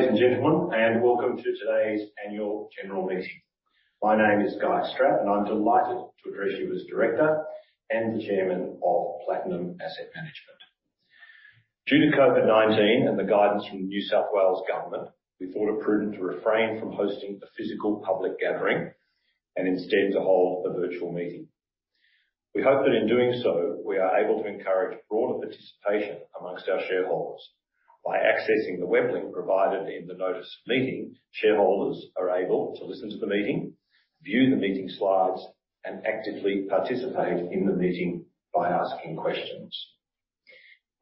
Good morning, ladies and gentlemen, and welcome to today's Annual General Meeting. My name is Guy Strapp, and I'm delighted to address you as Director and Chairman of Platinum Asset Management. Due to COVID-19 and the guidance from the New South Wales Government, we thought it prudent to refrain from hosting a physical public gathering and instead to hold a virtual meeting. We hope that in doing so, we are able to encourage broader participation among our shareholders. By accessing the web link provided in the Notice of Meeting, shareholders are able to listen to the meeting, view the meeting slides, and actively participate in the meeting by asking questions.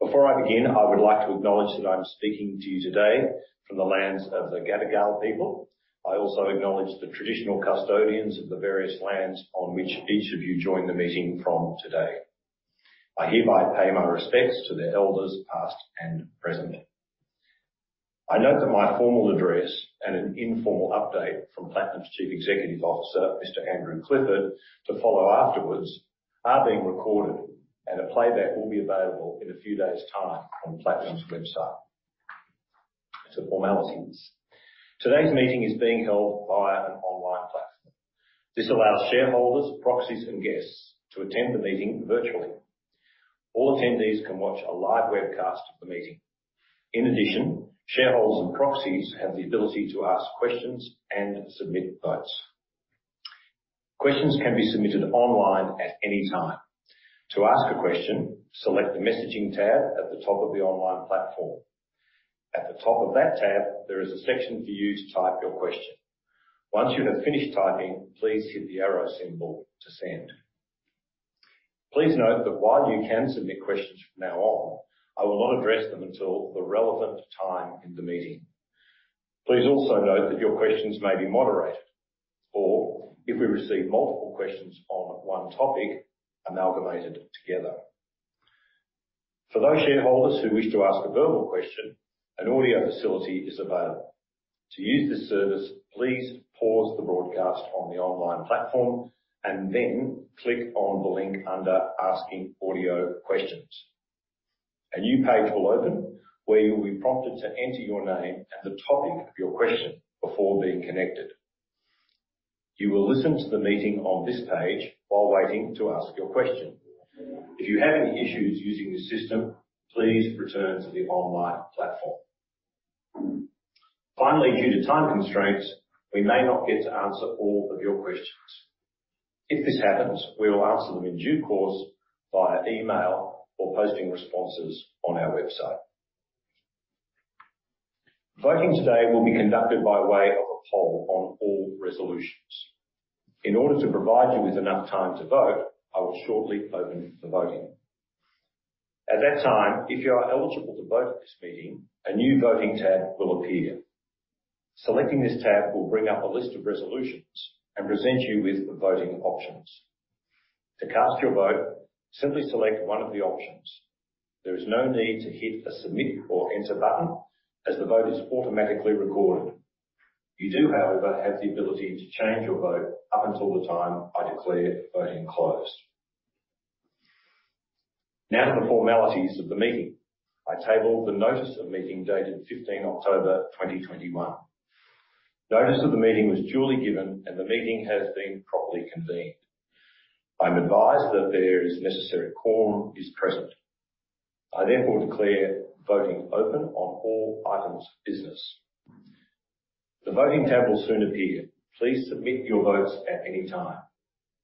Before I begin, I would like to acknowledge that I'm speaking to you today from the lands of the Gadigal people. I also acknowledge the traditional custodians of the various lands on which each of you join the meeting from today. I hereby pay my respects to the elders past and present. I note that my formal address and an informal update from Platinum's Chief Executive Officer, Mr. Andrew Clifford, to follow afterwards, are being recorded, and a playback will be available in a few days time on Platinum's website. To formalities. Today's meeting is being held via an online platform. This allows shareholders, proxies, and guests to attend the meeting virtually. All attendees can watch a live webcast of the meeting. In addition, shareholders and proxies have the ability to ask questions and submit votes. Questions can be submitted online at any time. To ask a question, select the Messaging tab at the top of the online platform. At the top of that tab, there is a section for you to type your question. Once you have finished typing, please hit the arrow symbol to send. Please note that while you can submit questions from now on, I will not address them until the relevant time in the meeting. Please also note that your questions may be moderated, or if we receive multiple questions on one topic amalgamated together. For those shareholders who wish to ask a verbal question, an audio facility is available. To use this service, please pause the broadcast on the online platform and then click on the link under Asking Audio Questions. A new page will open where you will be prompted to enter your name and the topic of your question before being connected. You will listen to the meeting on this page while waiting to ask your question. If you have any issues using this system, please return to the online platform. Finally, due to time constraints, we may not get to answer all of your questions. If this happens, we will answer them in due course via email or posting responses on our website. Voting today will be conducted by way of a poll on all resolutions. In order to provide you with enough time to vote, I will shortly open the voting. At that time, if you are eligible to vote at this meeting, a new voting tab will appear. Selecting this tab will bring up a list of resolutions and present you with the voting options. To cast your vote, simply select one of the options. There is no need to hit the Submit or Enter button as the vote is automatically recorded. You do, however, have the ability to change your vote up until the time I declare voting closed. Now to the formalities of the meeting. I table the notice of meeting dated 15 October 2021. Notice of the meeting was duly given, and the meeting has been properly convened. I'm advised that the necessary quorum is present. I therefore declare voting open on all items of business. The voting tab will soon appear. Please submit your votes at any time.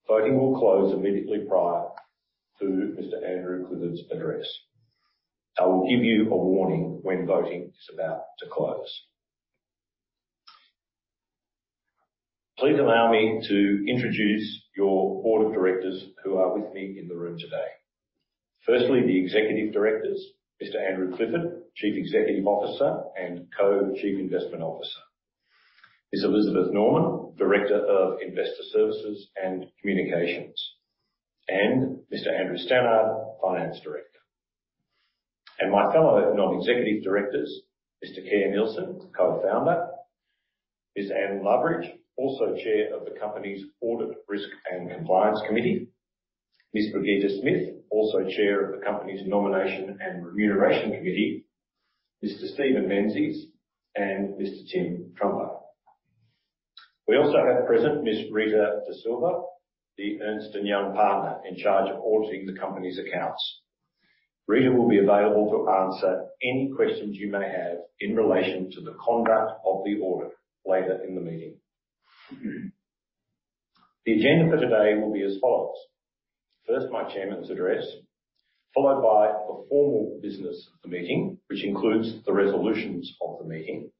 Voting will close immediately prior to Mr. Andrew Clifford's address. I will give you a warning when voting is about to close. Please allow me to introduce your Board of Directors who are with me in the room today. Firstly, the Executive Directors, Mr. Andrew Clifford, Chief Executive Officer and Co-Chief Investment Officer. Ms. Elizabeth Norman, Director of Investor Services and Communications, and Mr. Andrew Stannard, Finance Director. My fellow Non-Executive Directors, Mr. Kerr Neilson, Co-founder. Ms. Anne Loveridge, also Chair of the company's Audit, Risk & Compliance Committee. Ms. Brigitte Smith, also Chair of the company's Nomination and Remuneration Committee. Mr. Stephen Menzies and Mr. Tim Trumper. We also have present Ms. Rita Da Silva, the Ernst & Young Partner in charge of auditing the company's accounts. Rita will be available to answer any questions you may have in relation to the conduct of the audit later in the meeting. The agenda for today will be as follows. First, my chairman's address, followed by the formal business of the meeting, which includes the resolutions of the meeting,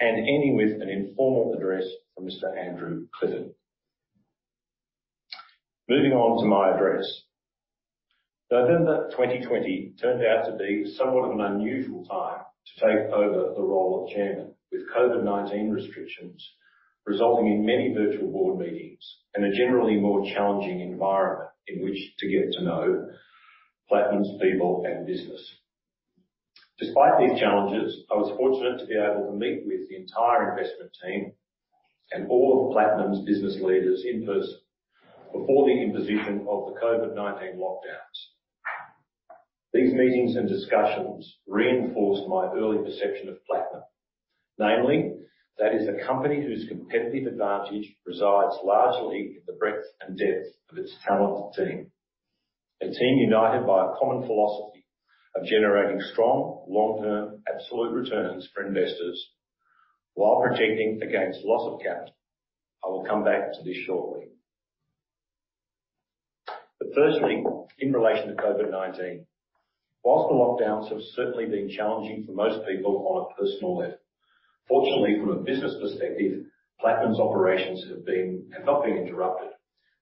and ending with an informal address from Mr. Andrew Clifford. Moving on to my address. November 2020 turned out to be somewhat of an unusual time to take over the role of chairman, with COVID-19 restrictions resulting in many virtual board meetings and a generally more challenging environment in which to get to know Platinum's people and business. Despite these challenges, I was fortunate to be able to meet with the entire investment team and all of Platinum's business leaders in-person before the imposition of the COVID-19 lockdown. These meetings and discussions reinforced my early perception of Platinum, namely that it is a company whose competitive advantage resides largely in the breadth and depth of its talented team. A team united by a common philosophy of generating strong long-term absolute returns for investors while protecting against loss of capital. I will come back to this shortly. Firstly, in relation to COVID-19. While the lockdowns have certainly been challenging for most people on a personal level, fortunately, from a business perspective, Platinum's operations have not been interrupted,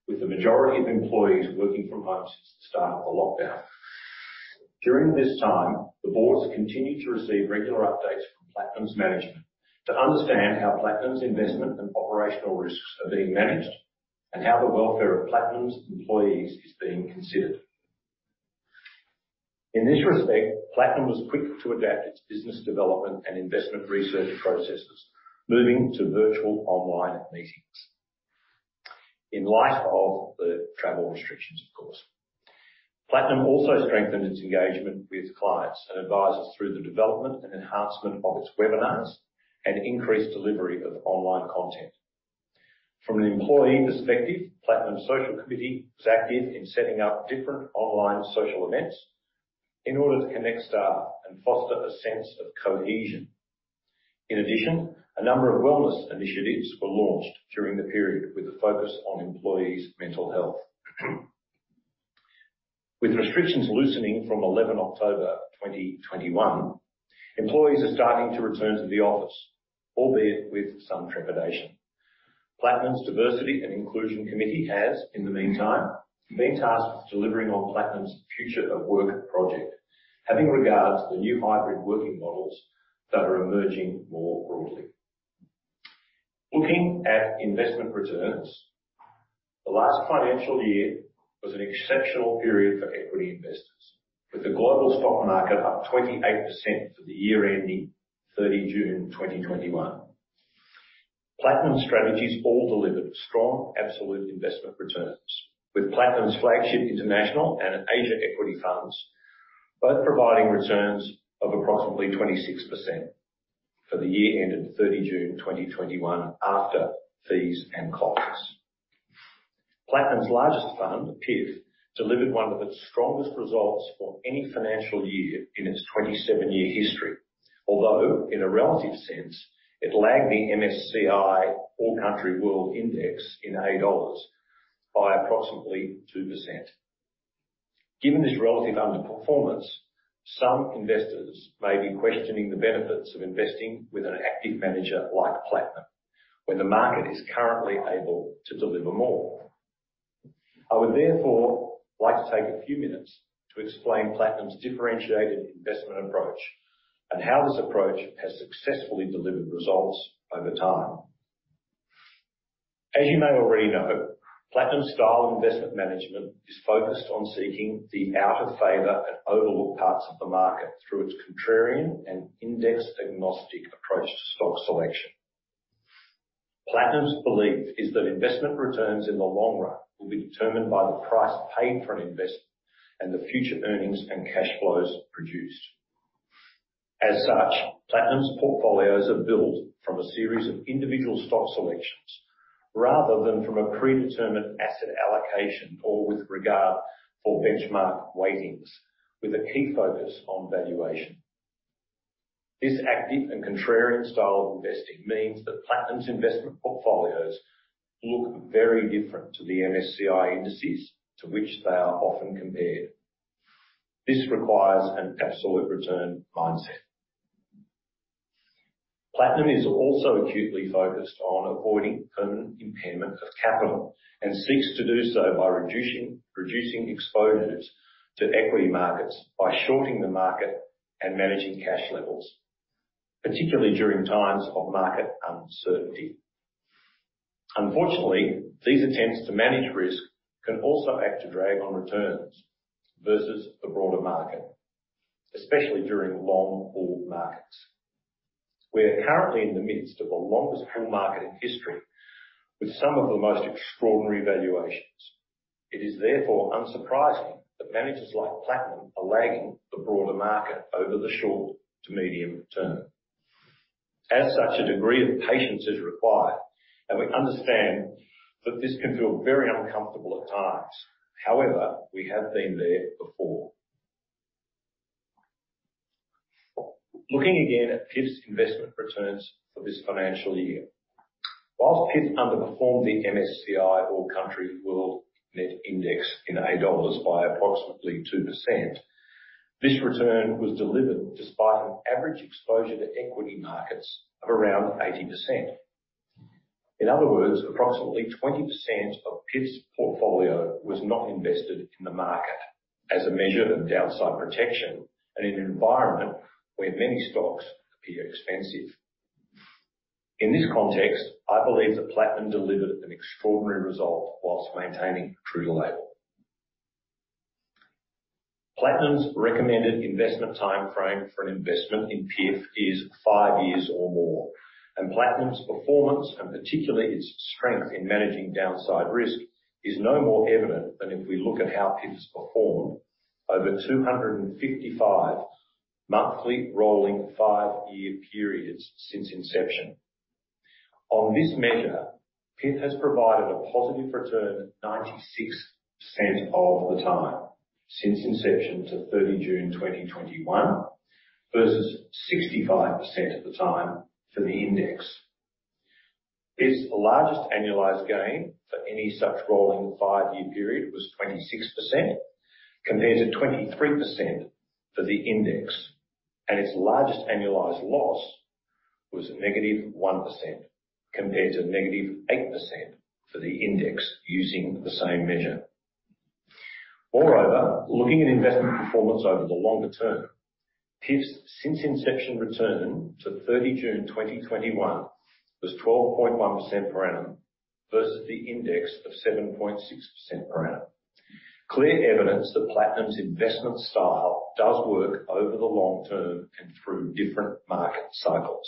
with the majority of employees working from home since the start of the lockdown. During this time, the Board has continued to receive regular updates from Platinum's management to understand how Platinum's investment and operational risks are being managed and how the welfare of Platinum's employees is being considered. In this respect, Platinum was quick to adapt its business development and investment research processes, moving to virtual online meetings in light of the travel restrictions, of course. Platinum also strengthened its engagement with clients and advisors through the development and enhancement of its webinars and increased delivery of online content. From an employee perspective, Platinum's social committee was active in setting up different online social events in order to connect staff and foster a sense of cohesion. In addition, a number of wellness initiatives were launched during the period with a focus on employees' mental health. With restrictions loosening from 11 October 2021, employees are starting to return to the office, albeit with some trepidation. Platinum's Diversity and Inclusion Committee has, in the meantime, been tasked with delivering on Platinum's Future of Work project, having regard to the new hybrid working models that are emerging more broadly. Looking at investment returns, the last financial year was an exceptional period for equity investors, with the global stock market up 28% for the year ending 30 June 2021. Platinum strategies all delivered strong absolute investment returns, with Platinum's flagship international and Asia equity funds both providing returns of approximately 26% for the year ending 30 June 2021 after fees and costs. Platinum's largest fund, Platinum International Fund, delivered one of its strongest results for any financial year in its 27-year history. Although in a relative sense, it lagged the MSCI All Country World Index in AUD by approximately 2%. Given this relative underperformance, some investors may be questioning the benefits of investing with an active manager like Platinum when the market is currently able to deliver more. I would therefore like to take a few minutes to explain Platinum's differentiated investment approach and how this approach has successfully delivered results over time. As you may already know, Platinum's style of investment management is focused on seeking the out-of-favor and overlooked parts of the market through its contrarian and index-agnostic approach to stock selection. Platinum's belief is that investment returns in the long run will be determined by the price paid for an investment and the future earnings and cash flows produced. As such, Platinum's portfolios are built from a series of individual stock selections rather than from a predetermined asset allocation or with regard for benchmark weightings with a key focus on valuation. This active and contrarian style of investing means that Platinum's investment portfolios look very different to the MSCI indices to which they are often compared. This requires an absolute return mindset. Platinum is also acutely focused on avoiding permanent impairment of capital and seeks to do so by reducing exposures to equity markets by shorting the market and managing cash levels, particularly during times of market uncertainty. Unfortunately, these attempts to manage risk can also act to drag on returns versus the broader market, especially during long bull markets. We're currently in the midst of the longest bull market in history with some of the most extraordinary valuations. It is therefore unsurprising that managers like Platinum are lagging the broader market over the short to medium term. As such, a degree of patience is required, and we understand that this can feel very uncomfortable at times. However, we have been there before. Looking again at Platinum International Fund's investment returns for this financial year. While Platinum International Fund underperformed the MSCI All Country World Net Index in A$ by approximately 2%, this return was delivered despite an average exposure to equity markets of around 80%. In other words, approximately 20% of Platinum International Fund's portfolio was not invested in the market as a measure of downside protection and in an environment where many stocks appear expensive. In this context, I believe that Platinum delivered an extraordinary result while maintaining true to label. Platinum's recommended investment timeframe for an investment in Platinum International Fund is five years or more, and Platinum's performance, and particularly its strength in managing downside risk, is no more evident than if we look at how Platinum International Fund's performed over 255 monthly rolling 5-year periods since inception. On this measure, Platinum International Fund has provided a positive return 96% of the time since inception to 30 June 2021, versus 65% of the time for the index. Its largest annualized gain for any such rolling 5-year period was 26%, compared to 23% for the index. Its largest annualized loss was -1%, compared to -8% for the index using the same measure. Moreover, looking at investment performance over the longer term, Platinum International Fund's since inception return to 30 June 2021 was 12.1% per annum versus the index of 7.6% per annum. Clear evidence that Platinum's investment style does work over the long term and through different market cycles.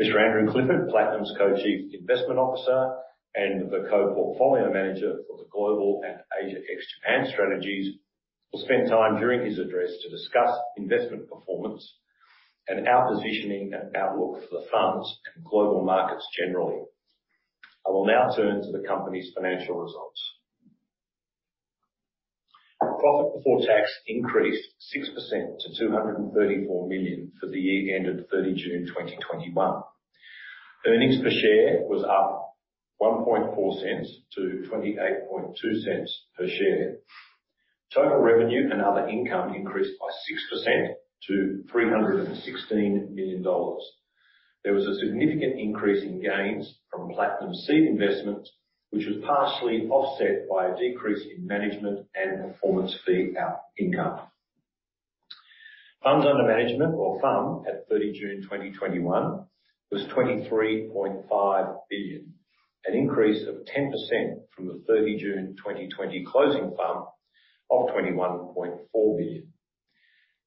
Mr. Andrew Clifford, Platinum's Co-Chief Investment Officer and the co-portfolio manager for the Global and Asia ex Japan strategies, will spend time during his address to discuss investment performance and our positioning and outlook for the funds and global markets generally. I will now turn to the company's financial results. Profit before tax increased 6% to 234 million for the year ended 30 June 2021. Earnings per share was up 0.014 to 0.282 per share. Total revenue and other income increased by 6% to 316 million dollars. There was a significant increase in gains from Platinum seed investments, which was partially offset by a decrease in management and performance fee income. Funds Under Management or FUM at 30 June 2021 was 23.5 billion, an increase of 10% from the 30 June 2020 closing FUM of 21.4 billion.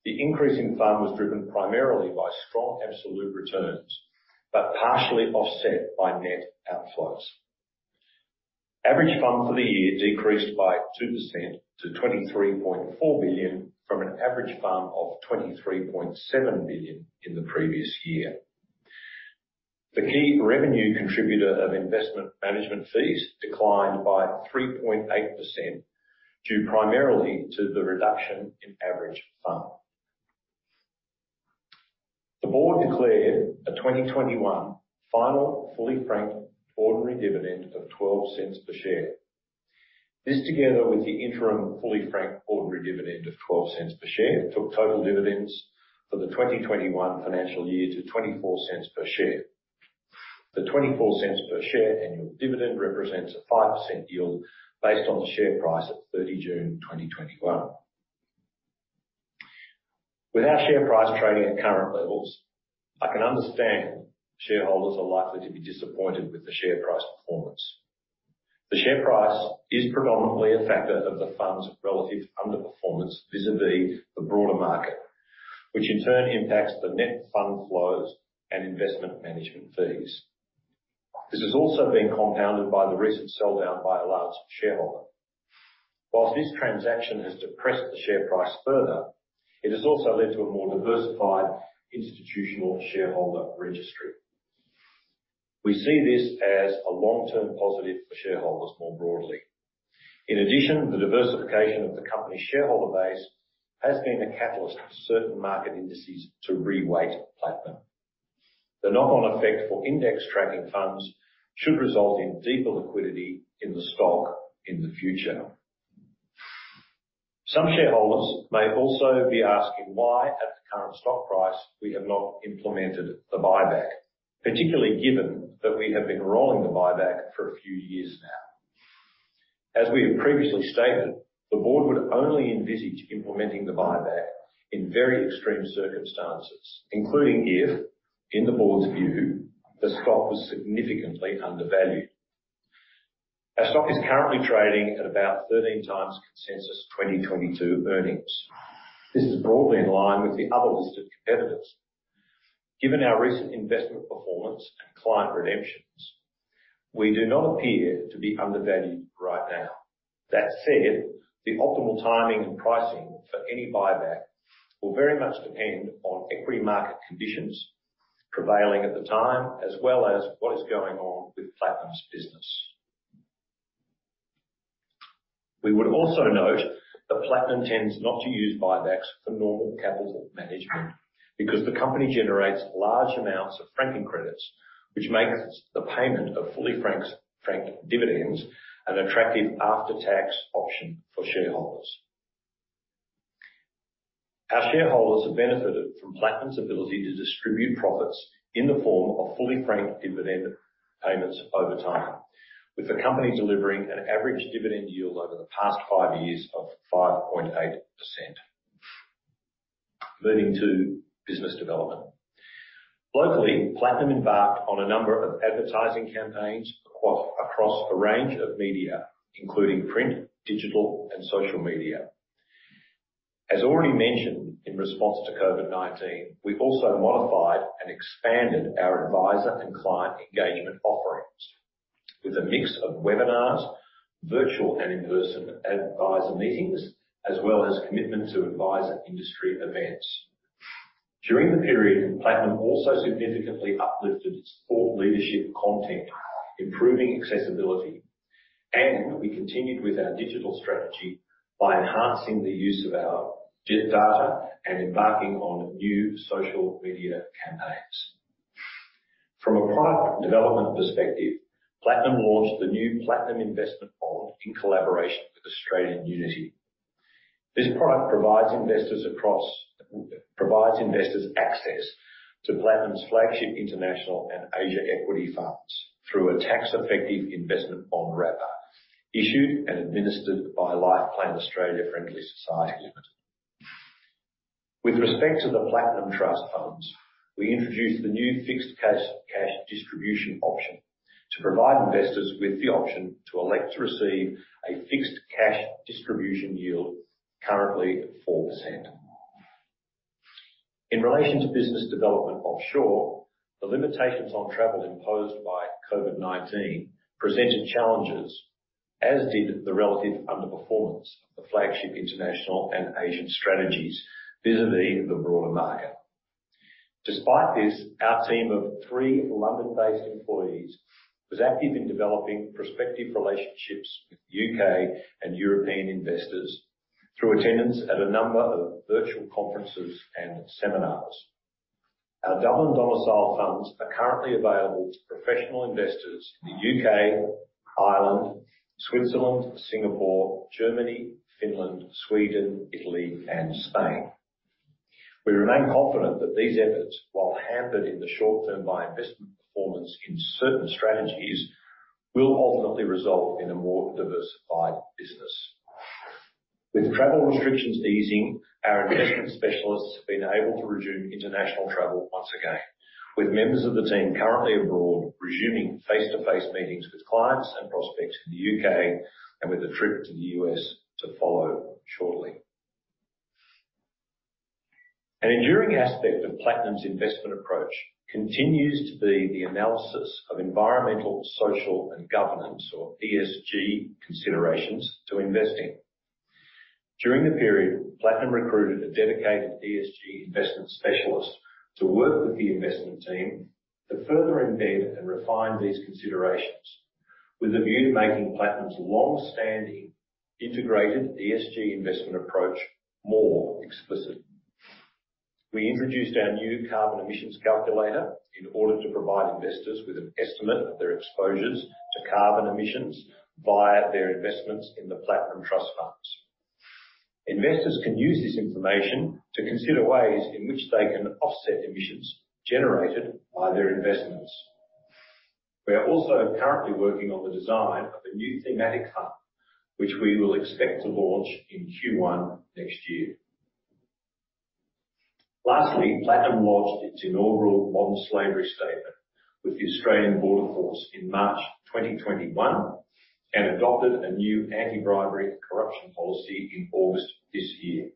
The increase in FUM was driven primarily by strong absolute returns, but partially offset by net outflows. Average FUM for the year decreased by 2% to 23.4 billion from an average FUM of 23.7 billion in the previous year. The key revenue contributor of investment management fees declined by 3.8% due primarily to the reduction in average FUM. The Board declared a 2021 final fully franked ordinary dividend of 0.12 per share. This, together with the interim fully franked ordinary dividend of 0.12 per share, took total dividends for the 2021 financial year to 0.24 per share. The 0.24 per share annual dividend represents a 5% yield based on the share price at 30 June 2021. With our share price trading at current levels, I can understand shareholders are likely to be disappointed with the share price performance. The share price is predominantly a factor of the fund's relative underperformance vis-à-vis the broader market, which in turn impacts the net fund flows and investment management fees. This has also been compounded by the recent sell-down by a large shareholder. While this transaction has depressed the share price further, it has also led to a more diversified institutional shareholder registry. We see this as a long-term positive for shareholders more broadly. In addition, the diversification of the company's shareholder base has been a catalyst for certain market indices to re-weight Platinum. The knock-on effect for index tracking funds should result in deeper liquidity in the stock in the future. Some shareholders may also be asking why, at the current stock price, we have not implemented the buyback, particularly given that we have been rolling the buyback for a few years now. As we have previously stated, the Board would only envisage implementing the buyback in very extreme circumstances, including if, in the Board's view, the stock was significantly undervalued. Our stock is currently trading at about 13x consensus 2022 earnings. This is broadly in line with the other listed competitors. Given our recent investment performance and client redemptions, we do not appear to be undervalued right now. That said, the optimal timing and pricing for any buyback will very much depend on equity market conditions prevailing at the time, as well as what is going on with Platinum's business. We would also note that Platinum tends not to use buybacks for normal capital management because the company generates large amounts of franking credits, which makes the payment of fully franked dividends an attractive after-tax option for shareholders. Our shareholders have benefited from Platinum's ability to distribute profits in the form of fully franked dividend payments over time, with the company delivering an average dividend yield over the past five years of 5.8%. Moving to business development. Locally, Platinum embarked on a number of advertising campaigns across a range of media, including print, digital, and social media. As already mentioned, in response to COVID-19, we also modified and expanded our advisor and client engagement offerings with a mix of webinars, virtual and in-person advisor meetings, as well as commitment to advisor industry events. During the period, Platinum also significantly uplifted its thought leadership content, improving accessibility, and we continued with our digital strategy by enhancing the use of our geo-data and embarking on new social media campaigns. From a product development perspective, Platinum launched the new Platinum Investment Bond in collaboration with Australian Unity. This product provides investors access to Platinum's flagship international and Asia equity funds through a tax-effective investment bond wrapper issued and administered by Lifeplan Australia Friendly Society Limited. With respect to the Platinum Trust Funds, we introduced the new fixed cash distribution option to provide investors with the option to elect to receive a fixed cash distribution yield, currently at 4%. In relation to business development offshore, the limitations on travel imposed by COVID-19 presented challenges, as did the relative underperformance of the flagship international and Asian strategies vis-à-vis the broader market. Despite this, our team of three London-based employees was active in developing prospective relationships with U.K. and European investors through attendance at a number of virtual conferences and seminars. Our Dublin-domiciled funds are currently available to professional investors in the U.K., Ireland, Switzerland, Singapore, Germany, Finland, Sweden, Italy and Spain. We remain confident that these efforts, while hampered in the short term by investment performance in certain strategies, will ultimately result in a more diversified business. With travel restrictions easing, our investment specialists have been able to resume international travel once again, with members of the team currently abroad resuming face-to-face meetings with clients and prospects in the U.K. and with a trip to the U.S. to follow shortly. An enduring aspect of Platinum's investment approach continues to be the analysis of environmental, social and governance or ESG considerations to investing. During the period, Platinum recruited a dedicated ESG investment specialist to work with the investment team to further embed and refine these considerations with a view to making Platinum's long-standing integrated ESG investment approach more explicit. We introduced our new carbon emissions calculator in order to provide investors with an estimate of their exposures to carbon emissions via their investments in the Platinum Trust Funds. Investors can use this information to consider ways in which they can offset emissions generated by their investments. We are also currently working on the design of a new thematic fund, which we will expect to launch in Q1 next year. Lastly, Platinum lodged its inaugural modern slavery statement with the Australian Border Force in March 2021 and adopted a new anti-bribery and corruption policy in August this year.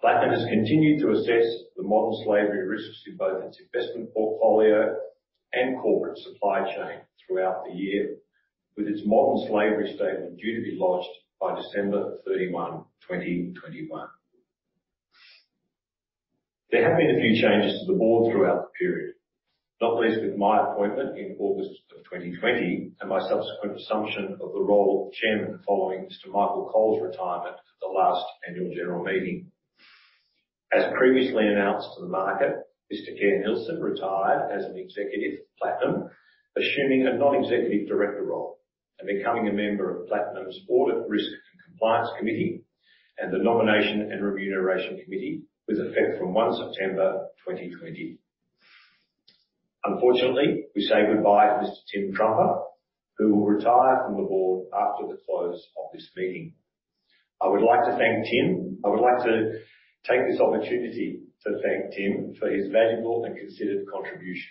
Platinum has continued to assess the modern slavery risks in both its investment portfolio and corporate supply chain throughout the year, with its modern slavery statement due to be lodged by December 31, 2021. There have been a few changes to the Board throughout the period, not least with my appointment in August 2020 and my subsequent assumption of the role of Chairman following Mr. Michael Cole's retirement at the last Annual General Meeting. As previously announced to the market, Mr. Kerr Neilson retired as an Executive of Platinum, assuming a Non-Executive Director role and becoming a member of Platinum's Audit, Risk & Compliance Committee and the Nomination and Remuneration Committee with effect from 1 September 2020. Unfortunately, we say goodbye to Mr. Tim Trumper, who will retire from the Board after the close of this meeting. I would like to thank Tim. I would like to take this opportunity to thank Tim for his valuable and considered contribution.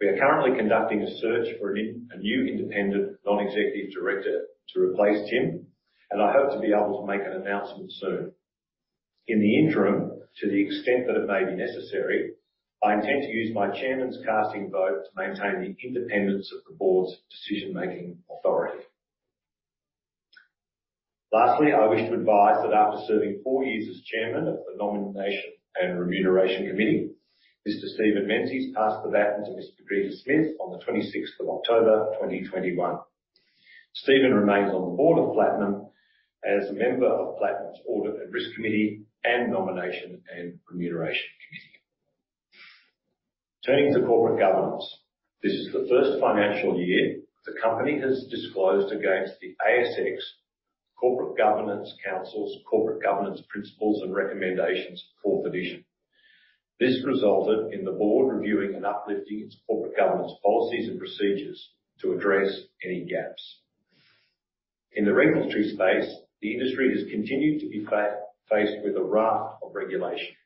We are currently conducting a search for a new independent Non-Executive Director to replace Tim, and I hope to be able to make an announcement soon. In the interim, to the extent that it may be necessary, I intend to use my Chairman's casting vote to maintain the independence of the Board's decision-making authority. Lastly, I wish to advise that after serving four years as Chairman of the Nomination and Remuneration Committee, Mr. Stephen Menzies passed the baton to Ms. Brigitte Smith on 26th October 2021. Stephen remains on the Board of Platinum as a member of Platinum's Audit, Risk & Compliance Committee and Nomination and Remuneration Committee. Turning to corporate governance. This is the first financial year the company has disclosed against the ASX Corporate Governance Council's corporate governance principles and recommendations, fourth edition. This resulted in the Board reviewing and uplifting its corporate governance policies and procedures to address any gaps. In the regulatory space, the industry has continued to be faced with a raft of regulation.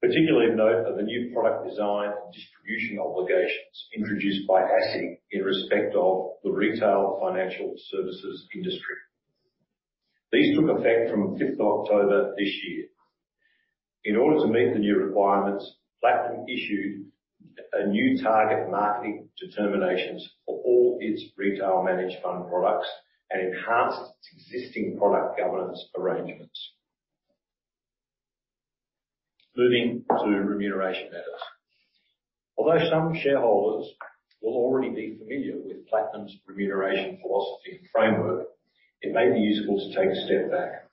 Particularly, note that the new product design and distribution obligations introduced by ASIC in respect of the retail financial services industry. These took effect from 5th October this year. In order to meet the new requirements, Platinum issued a new target market determinations for all its retail managed fund products and enhanced its existing product governance arrangements. Moving to remuneration matters. Although some shareholders will already be familiar with Platinum's remuneration philosophy framework, it may be useful to take a step back.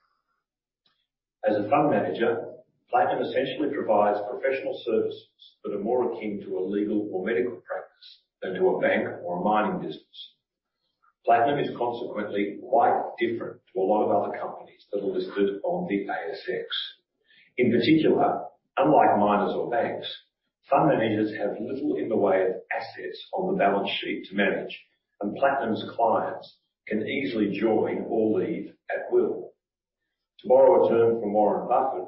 As a fund manager, Platinum essentially provides professional services that are more akin to a legal or medical practice than to a bank or a mining business. Platinum is consequently quite different to a lot of other companies that are listed on the ASX. In particular, unlike miners or banks, fund managers have little in the way of assets on the balance sheet to manage, and Platinum's clients can easily join or leave at will. To borrow a term from Warren Buffett,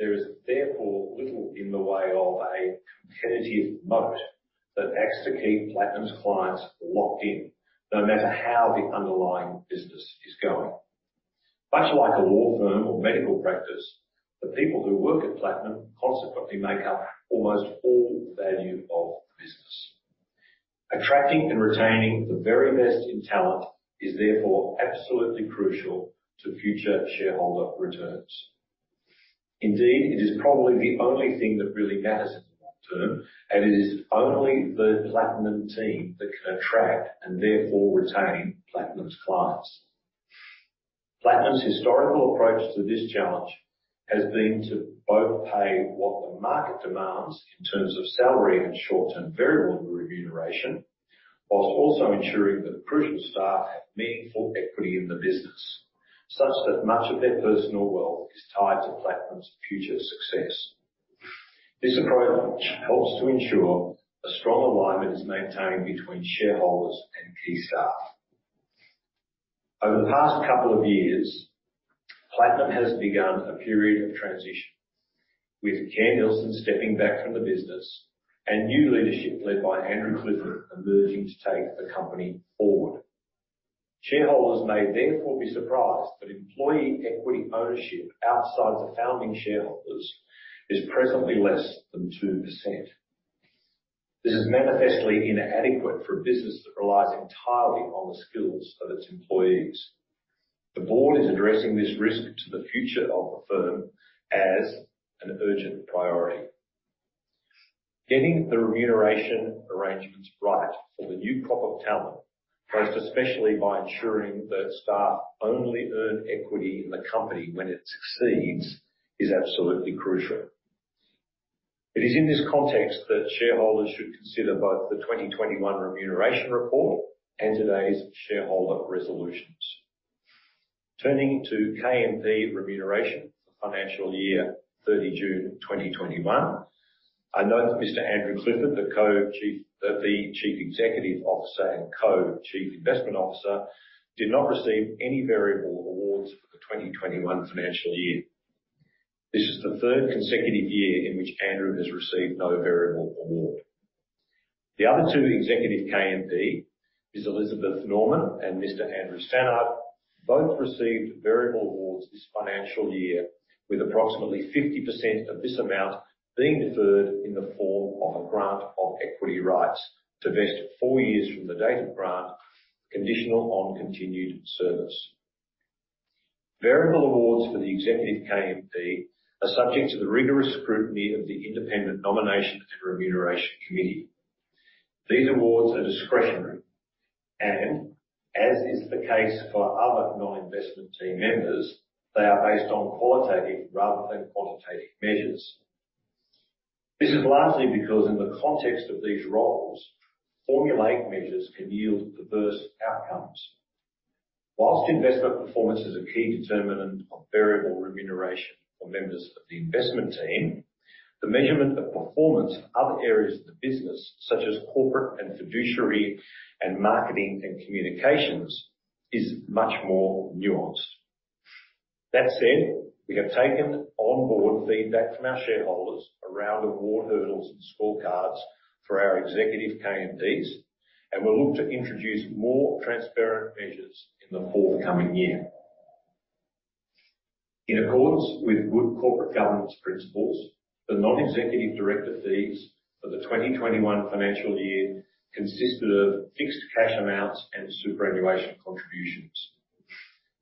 there is therefore little in the way of a competitive moat that acts to keep Platinum's clients locked in no matter how the underlying business is going. Much like a law firm or medical practice, the people who work at Platinum consequently make up almost all the value of the business. Attracting and retaining the very best in talent is therefore absolutely crucial to future shareholder returns. Indeed, it is probably the only thing that really matters in the long term, and it is only the Platinum team that can attract and therefore retain Platinum's clients. Platinum's historical approach to this challenge has been to both pay what the market demands in terms of salary and short-term variable remuneration, while also ensuring that crucial staff have meaningful equity in the business, such that much of their personal wealth is tied to Platinum's future success. This approach helps to ensure a strong alignment is maintained between shareholders and key staff. Over the past couple of years, Platinum has begun a period of transition with Kerr Neilson stepping back from the business and new leadership led by Andrew Clifford emerging to take the company forward. Shareholders may therefore be surprised that employee equity ownership outside the founding shareholders is presently less than 2%. This is manifestly inadequate for a business that relies entirely on the skills of its employees. The Board is addressing this risk to the future of the firm as an urgent priority. Getting the remuneration arrangements right for the new crop of talent, most especially by ensuring that staff only earn equity in the company when it succeeds, is absolutely crucial. It is in this context that shareholders should consider both the 2021 remuneration report and today's shareholder resolutions. Turning to KMP remuneration for financial year 30 June 2021. I note that Mr. Andrew Clifford, the Chief Executive Officer and Co-Chief Investment Officer, did not receive any variable awards for the 2021 financial year. This is the third consecutive year in which Andrew has received no variable award. The other two executive KMP, Ms. Elizabeth Norman and Mr.Andrew Stannard both received variable awards this financial year with approximately 50% of this amount being deferred in the form of a grant of equity rights to vest four years from the date of grant, conditional on continued service. Variable awards for the executive KMP are subject to the rigorous scrutiny of the independent Nomination and Remuneration Committee. These awards are discretionary, and as is the case for other non-investment team members, they are based on qualitative rather than quantitative measures. This is largely because in the context of these roles, formulaic measures can yield diverse outcomes. While investment performance is a key determinant of variable remuneration for members of the investment team, the measurement of performance in other areas of the business, such as corporate and fiduciary and marketing and communications, is much more nuanced. That said, we have taken on Board feedback from our shareholders around award hurdles and scorecards for our executive KMPs, and we look to introduce more transparent measures in the forthcoming year. In accordance with good corporate governance principles, the Non-Executive Director fees for the 2021 financial year consisted of fixed cash amounts and superannuation contributions.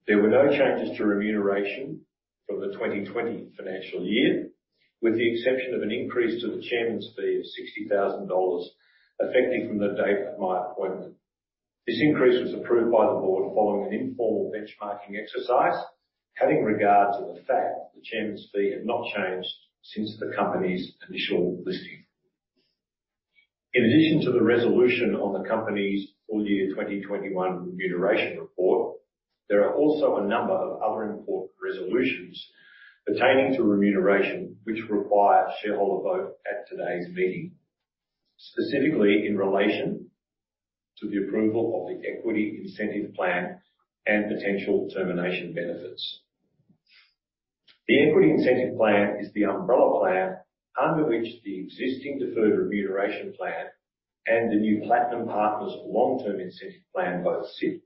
There were no changes to remuneration from the 2020 financial year, with the exception of an increase to the chairman's fee of 60,000 dollars, effective from the date of my appointment. This increase was approved by the Board following an informal benchmarking exercise, having regard to the fact the Chairman's fee had not changed since the company's initial listing. In addition to the resolution on the company's full year 2021 remuneration report, there are also a number of other important resolutions pertaining to remuneration which require shareholder vote at today's meeting. Specifically in relation to the approval of the equity incentive plan and potential termination benefits. The equity incentive plan is the umbrella plan under which the existing Deferred Remuneration Plan and the new Platinum Partners' Long-Term Incentive Plan both sit.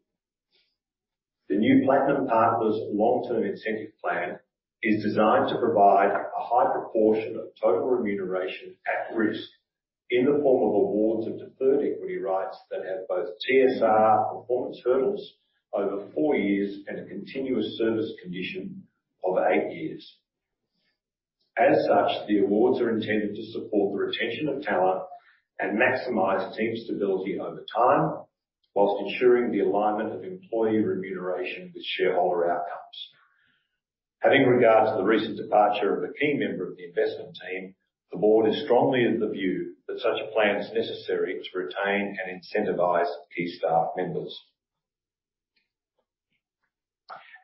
The new Platinum Partners' Long-Term Incentive Plan is designed to provide a high proportion of total remuneration at risk in the form of awards of deferred equity rights that have both TSR performance hurdles over four years and a continuous service condition of eight years. As such, the awards are intended to support the retention of talent and maximize team stability over time, while ensuring the alignment of employee remuneration with shareholder outcomes. Having regard to the recent departure of a key member of the investment team, the Board is strongly of the view that such a plan is necessary to retain and incentivize key staff members.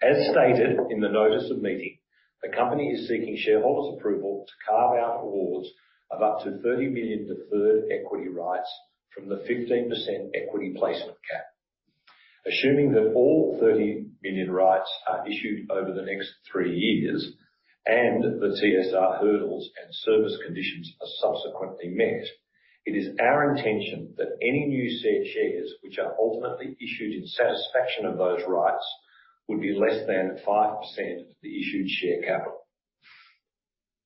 As stated in the notice of meeting, the company is seeking shareholders' approval to carve out awards of up to 30 million deferred equity rights from the 15% equity placement cap. Assuming that all 30 million rights are issued over the next three years, and the TSR hurdles and service conditions are subsequently met, it is our intention that any new said shares which are ultimately issued in satisfaction of those rights would be less than 5% of the issued share capital.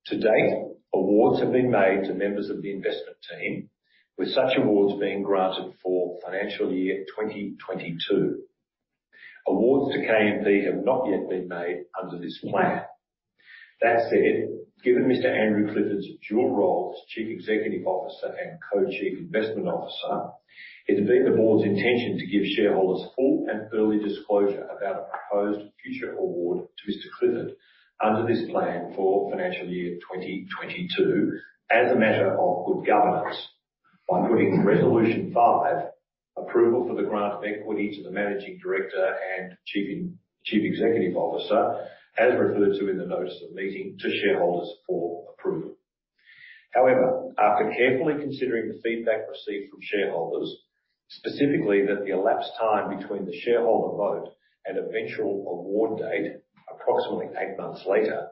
To date, awards have been made to members of the investment team, with such awards being granted for financial year 2022. Awards to KMP have not yet been made under this plan. That said, given Mr. Andrew Clifford's dual role as Chief Executive Officer and Co-Chief Investment Officer, it had been the Board's intention to give shareholders full and early disclosure about a proposed future award to Mr. Clifford under this plan for financial year 2022 as a matter of good governance by putting Resolution 5, approval for the grant of equity to the Managing Director and Chief Executive Officer, as referred to in the notice of meeting to shareholders for approval. However, after carefully considering the feedback received from shareholders, specifically that the elapsed time between the shareholder vote and eventual award date approximately eight months later,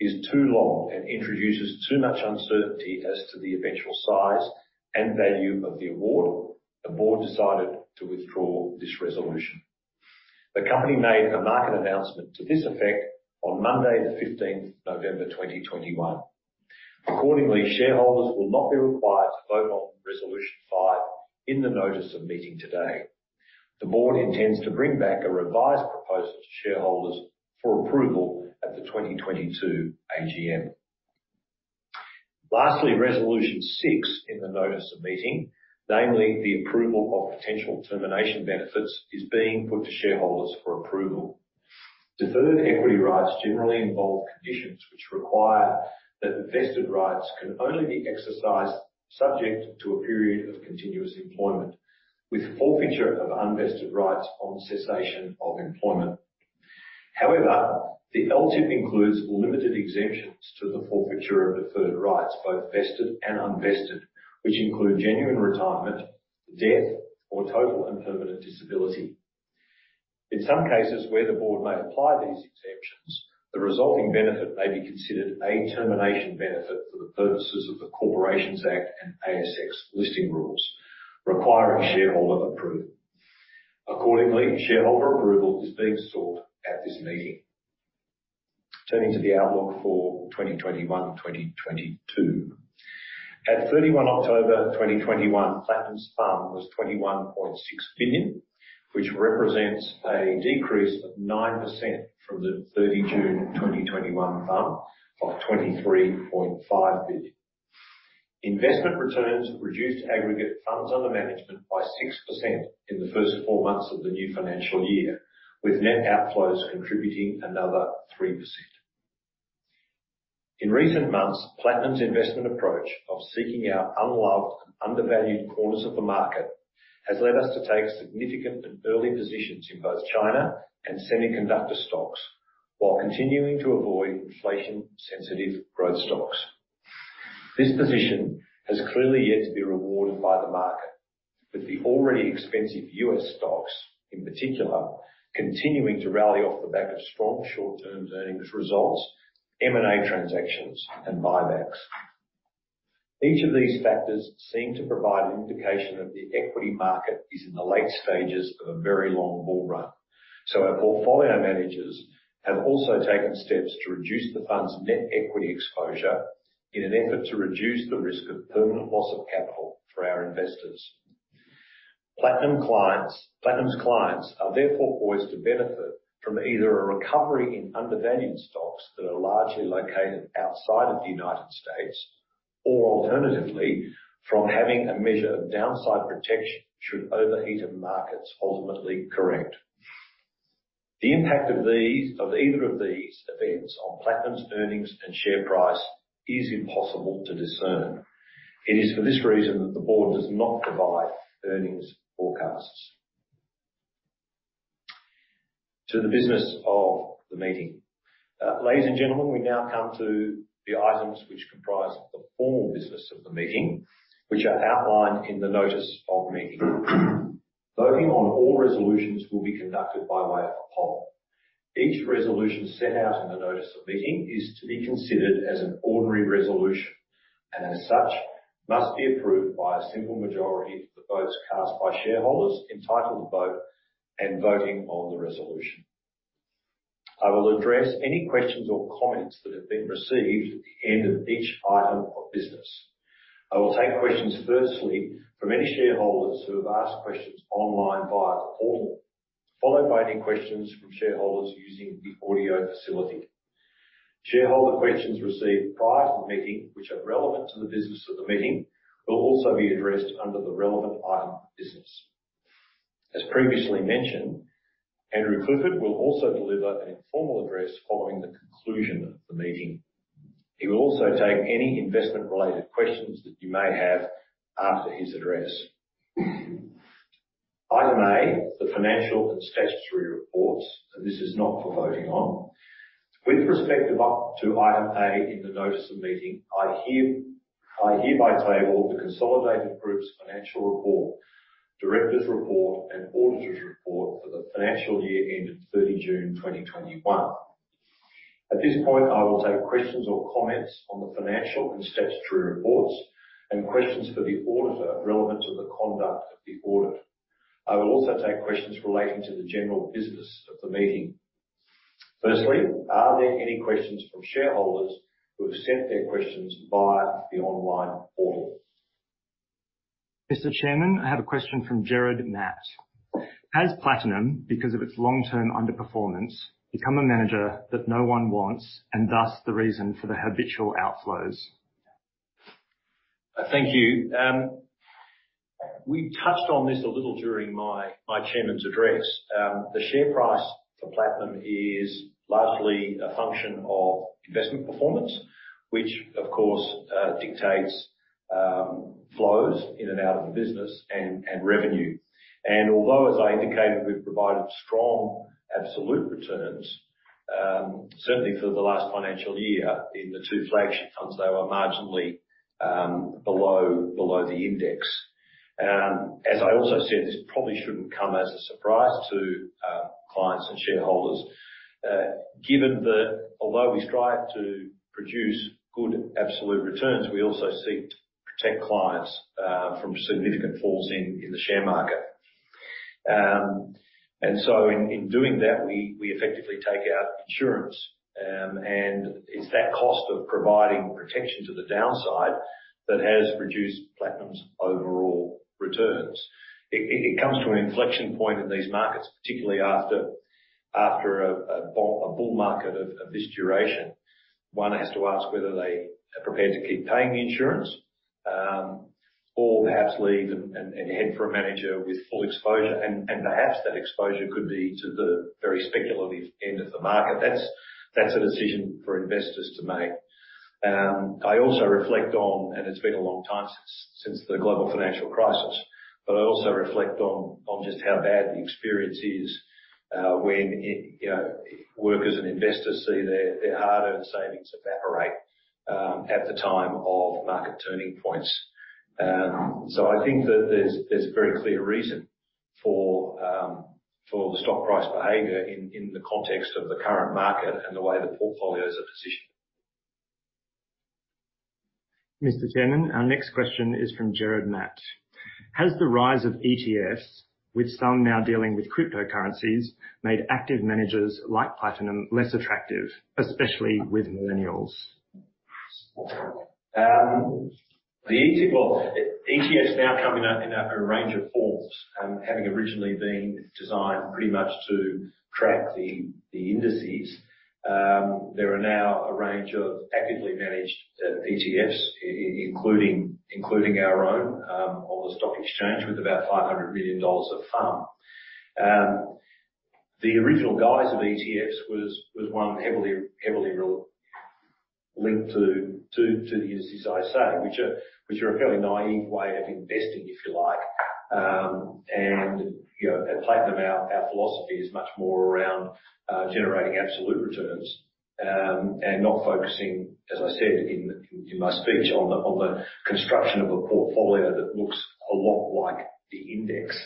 is too long and introduces too much uncertainty as to the eventual size and value of the award, the Board decided to withdraw this resolution. The company made a market announcement to this effect on Monday, the 15th November 2021. Accordingly, shareholders will not be required to vote on Resolution 5 in the notice of meeting today. The Board intends to bring back a revised proposal to shareholders for approval at the 2022 AGM. Lastly, Resolution 6 in the notice of meeting, namely the approval of potential termination benefits, is being put to shareholders for approval. Deferred equity rights generally involve conditions which require that vested rights can only be exercised subject to a period of continuous employment, with forfeiture of unvested rights on cessation of employment. However, the Long Term Incentive Plan includes limited exemptions to the forfeiture of deferred rights, both vested and unvested, which include genuine retirement, death or total and permanent disability. In some cases where the Board may apply these exemptions, the resulting benefit may be considered a termination benefit for the purposes of the Corporations Act and ASX Listing Rules requiring shareholder approval. Accordingly, shareholder approval is being sought at this meeting. Turning to the outlook for 2021, 2022. At 31 October 2021, Platinum's FUM was 21.6 billion, which represents a decrease of 9% from the 30 June 2021 FUM of 23.5 billion. Investment returns reduced aggregate funds under management by 6% in the first four months of the new financial year, with net outflows contributing another 3%. In recent months, Platinum's investment approach of seeking out unloved and undervalued corners of the market has led us to take significant and early positions in both China and semiconductor stocks while continuing to avoid inflation-sensitive growth stocks. This position has clearly yet to be rewarded by the market, with the already expensive U.S. stocks, in particular, continuing to rally off the back of strong short-term earnings results, M&A transactions and buybacks. Each of these factors seem to provide an indication that the equity market is in the late stages of a very long bull run. Our portfolio managers have also taken steps to reduce the fund's net equity exposure in an effort to reduce the risk of permanent loss of capital for our investors. Platinum clients, Platinum's clients are therefore poised to benefit from either a recovery in undervalued stocks that are largely located outside of the United States, or alternatively, from having a measure of downside protection should overheated markets ultimately correct. The impact of these, of either of these events on Platinum's earnings and share price is impossible to discern. It is for this reason that the Board does not provide earnings forecasts. To the business of the meeting. Ladies and gentlemen, we now come to the items which comprise of the formal business of the meeting, which are outlined in the notice of meeting. Voting on all resolutions will be conducted by way of a poll. Each resolution set out in the notice of meeting is to be considered as an ordinary resolution, and as such must be approved by a simple majority of the votes cast by shareholders entitled to vote and voting on the resolution. I will address any questions or comments that have been received at the end of each item of business. I will take questions firstly from any shareholders who have asked questions online via the portal, followed by any questions from shareholders using the audio facility. Shareholder questions received prior to the meeting, which are relevant to the business of the meeting, will also be addressed under the relevant item of business. As previously mentioned, Andrew Clifford will also deliver an informal address following the conclusion of the meeting. He will also take any investment-related questions that you may have after his address. Item A, the financial and statutory reports, and this is not for voting on. With respect to item A in the notice of meeting, I hereby table the consolidated group's financial report, Directors' report, and auditors' report for the financial year ending 30 June 2021. At this point, I will take questions or comments on the financial and statutory reports and questions for the auditor relevant to the conduct of the audit. I will also take questions relating to the general business of the meeting. Firstly, are there any questions from shareholders who have sent their questions via the online portal? Mr. Chairman, I have a question from Gerard Matt. "Has Platinum, because of its long-term underperformance, become a manager that no one wants and thus the reason for the habitual outflows?". Thank you. We touched on this a little during my Chairman's address. The share price for Platinum is largely a function of investment performance, which of course dictates flows in and out of the business and revenue. Although, as I indicated, we've provided strong absolute returns, certainly for the last financial year in the two flagship funds, they were marginally below the index. As I also said, this probably shouldn't come as a surprise to clients and shareholders, given that although we strive to produce good absolute returns, we also seek to protect clients from significant falls in the share market. In doing that, we effectively take out insurance, and it's that cost of providing protection to the downside that has reduced Platinum's overall returns. It comes to an inflection point in these markets, particularly after a bull market of this duration. One has to ask whether they are prepared to keep paying the insurance, or perhaps leave and head for a manager with full exposure. Perhaps that exposure could be to the very speculative end of the market. That's a decision for investors to make. I also reflect on, and it's been a long time since the global financial crisis, but I also reflect on just how bad the experience is, when, you know, workers and investors see their hard-earned savings evaporate, at the time of market turning points. I think that there's a very clear reason for the stock price behavior in the context of the current market and the way the portfolios are positioned. Mr. Chairman, our next question is from Gerard Matt. "Has the rise of ETFs, with some now dealing with cryptocurrencies, like Bitcoin, made active managers like Platinum less attractive, especially with millennials?". Well, ETFs now come in a range of forms, having originally been designed pretty much to track the indices. There are now a range of actively managed ETFs including our own on the stock exchange with about 500 million dollars of FUM. The original guise of ETFs was one heavily re-linked to the indices, I say, which are a fairly naive way of investing, if you like. You know, at Platinum our philosophy is much more around generating absolute returns and not focusing, as I said in my speech, on the construction of a portfolio that looks a lot like the index.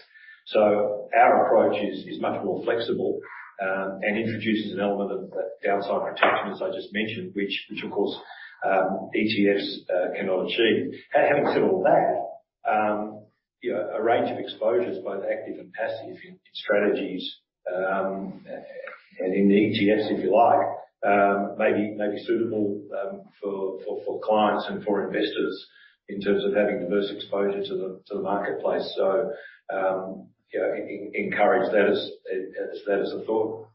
Our approach is much more flexible and introduces an element of downside protection, as I just mentioned, which of course ETFs cannot achieve. Having said all that, you know, a range of exposures, both active and passive in strategies and in the ETFs, if you like, may be suitable for clients and for investors in terms of having diverse exposure to the marketplace. Encourage that as a thought.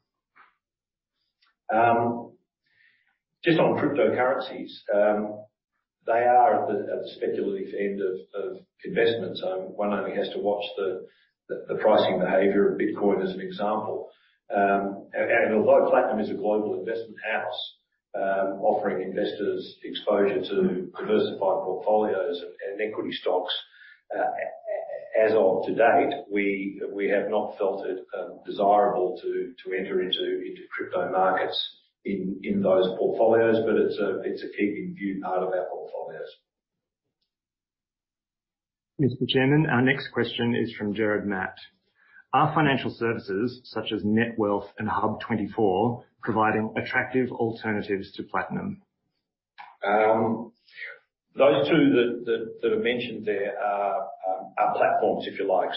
Just on cryptocurrencies, they are at the speculative end of investments. One only has to watch the pricing behavior of Bitcoin as an example. Although Platinum is a global investment house offering investors exposure to diversified portfolios and equity stocks. As of today, we have not felt it desirable to enter into crypto markets in those portfolios, but it's a keep in view part of our portfolios. Mr. Chairman, our next question is from Gerard Matt. "Are financial services such as Netwealth and HUB24 providing attractive alternatives to Platinum?". Those two that are mentioned there are platforms, if you like.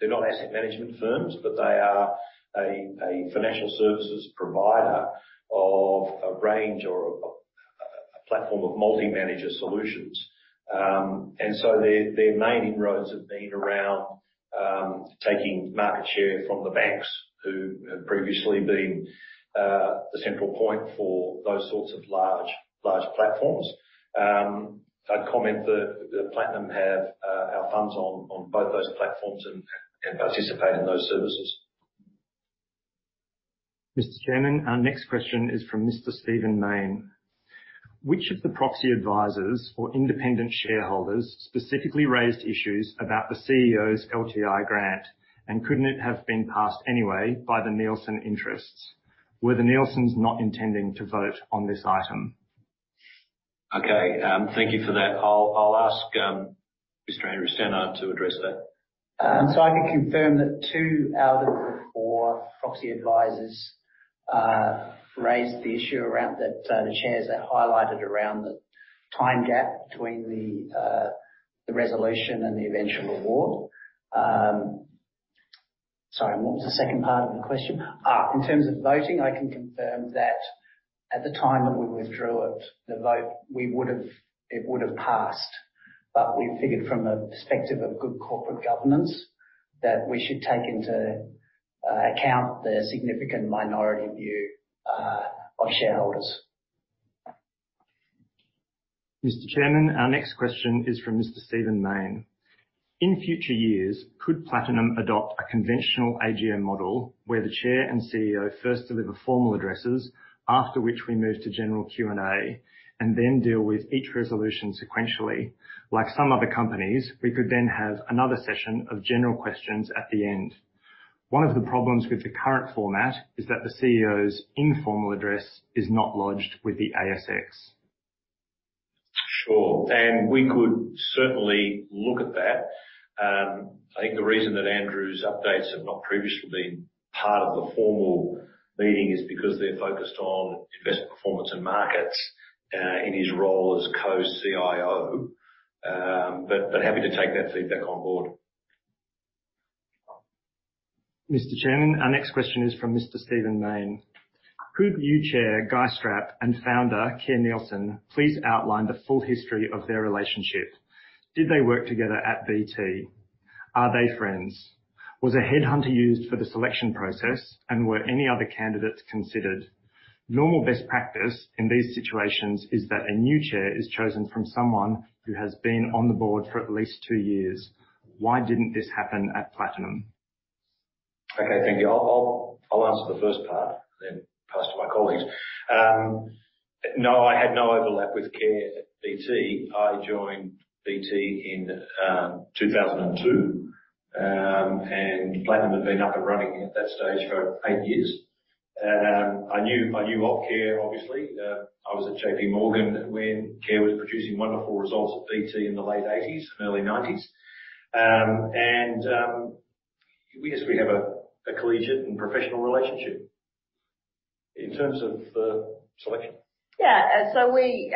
They're not asset management firms, but they are a platform of multi-manager solutions. Their main inroads have been around taking market share from the banks who had previously been the central point for those sorts of large platforms. I'd comment that Platinum have our funds on both those platforms and participate in those services. Mr. Chairman, our next question is from Mr. Stephen Mayne. "Which of the proxy advisors or independent shareholders specifically raised issues about the CEO's LTI grant, and couldn't it have been passed anyway by the Neilson interests? Were the Neilsons not intending to vote on this item?". Okay. Thank you for that. I'll ask Mr. Andrew Stannard to address that. I can confirm that two out of the four proxy advisors raised the issue around that the chairs have highlighted around the time gap between the resolution and the eventual award. Sorry, what was the second part of the question? In terms of voting, I can confirm that at the time that we withdrew it, the vote would have passed. We figured from a perspective of good corporate governance that we should take into account the significant minority view of shareholders. Mr. Chairman, our next question is from Mr. Stephen Mayne. "In future years, could Platinum adopt a conventional AGM model where the chair and CEO first deliver formal addresses, after which we move to general Q&A and then deal with each resolution sequentially? Like some other companies, we could then have another session of general questions at the end. One of the problems with the current format is that the CEO's informal address is Not lodged with the ASX.". Sure. We could certainly look at that. I think the reason that Andrew's updates have not previously been part of the formal meeting is because they're focused on investment performance and markets, in his role as Co-CIO. But happy to take that feedback on Board. Mr. Chairman, our next question is from Mr. Stephen Mayne. "Could you, Chair Guy Strapp and founder Kerr Neilson, please outline the full history of their relationship? Did they work together at BT? Are they friends? Was a headhunter used for the selection process, and were any other candidates considered? Normal best practice in these situations is that a new chair is chosen from someone who has been on the Board for at least two years. Why didn't this happen at Platinum?". Okay, thank you. I'll answer the first part, then pass to my colleagues. No, I had no overlap with Kerr at BT. I joined BT in 2002. Platinum had been up and running at that stage for eight years. I knew of Kerr, obviously. I was at JPMorgan when Kerr was producing wonderful results at BT in the late 1980s and early 1990s. We just have a collegiate and professional relationship in terms of selection. Yeah. We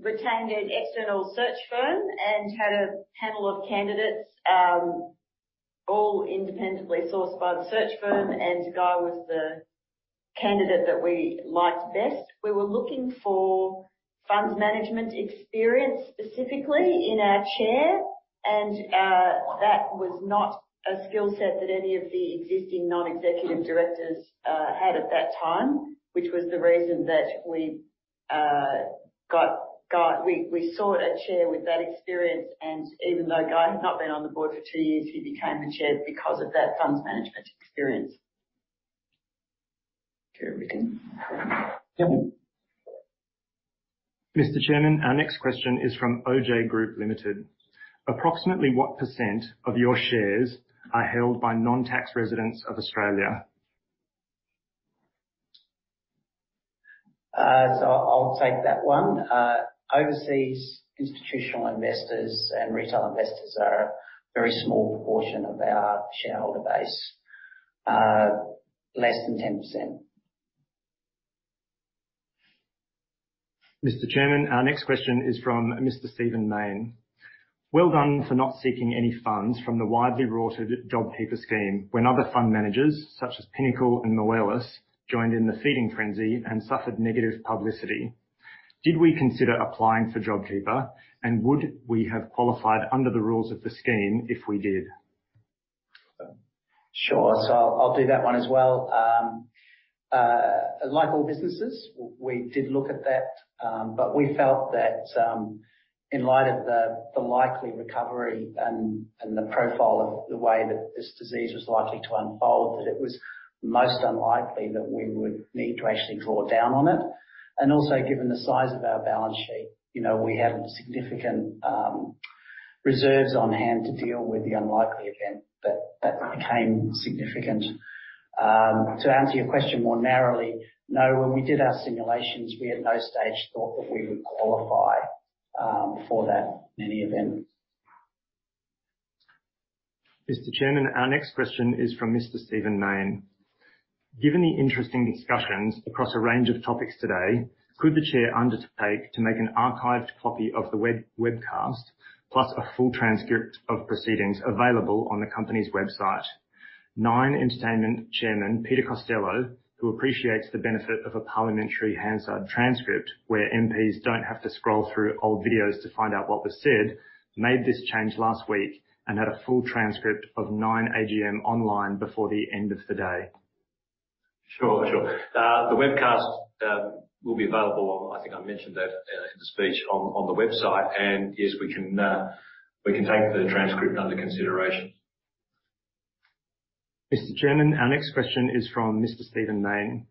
retained an external search firm and had a panel of candidates, all independently sourced by the search firm, and Guy was the candidate that we liked best. We were looking for funds management experience, specifically for our Chair, and that was not a skill set that any of the existing Non-Executive Directors had at that time, which was the reason that we got Guy. We sought a Chair with that experience and even though Guy had not been on the Board for two years, he became the Chair because of that funds management experience. Kerr, anything? Nothing. Mr. Chairman, our next question is from OJ Group Pty Ltd. Approximately what percent of your shares are held by non-tax residents of Australia? I'll take that one. Overseas institutional investors and retail investors are a very small proportion of our shareholder base, less than 10%. Mr. Chairman, our next question is from Mr. Stephen Mayne. "Well done for not seeking any funds from the widely touted JobKeeper scheme when other fund managers such as Pinnacle and Moelis joined in the feeding frenzy and suffered negative publicity. Did we consider applying for JobKeeper, and would we have qualified under the rules of the scheme if we did?". Sure. I'll do that one as well. Like all businesses, we did look at that, but we felt that, in light of the likely recovery and the profile of the way that this disease was likely to unfold, that it was most unlikely that we would need to actually draw down on it. Also, given the size of our balance sheet, you know, we have significant reserves on hand to deal with the unlikely event that that became significant. To answer your question more narrowly, no, when we did our simulations, we at no stage thought that we would qualify for [JobKeeper]. Mr. Chairman, our next question is from Mr. Stephen Mayne. "Given the interesting discussions across a range of topics today, could the chair undertake to make an archived copy of the webcast plus a full transcript of proceedings available on the company's website? Nine Entertainment Chairman Peter Costello, who appreciates the benefit of a parliamentary Hansard transcript where MPs don't have to scroll through old videos to find out what was said, made this change last week and had a full transcript of Nine AGM online before the end of the day.". Sure. The webcast will be available. I think I mentioned that in the speech on the website. Yes, we can take the transcript under consideration. Mr. Chairman, our next question is from Mr. Stephen Mayne.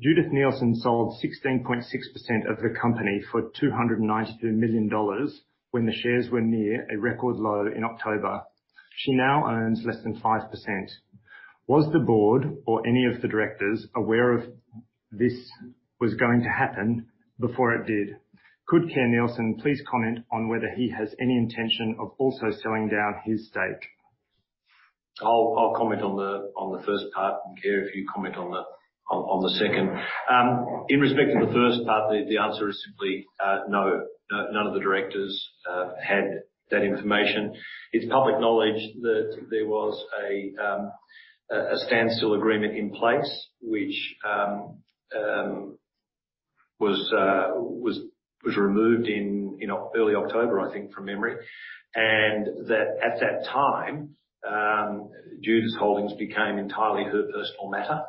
"Judith Neilson sold 16.6% of the company for 292 million dollars when the shares were near a record low in October. She now owns less than 5%. Was the Board or any of the Directors aware of this was going to happen before it did? Could Kerr Neilson please comment on whether he has any intention of also selling down his stake?". I'll comment on the first part, and Kerr, if you comment on the second. In respect to the first part, the answer is simply no. No, none of the Directors had that information. It's public knowledge that there was a standstill agreement in place which was removed in early October, I think, from memory. That at that time, Judith's holdings became entirely her personal matter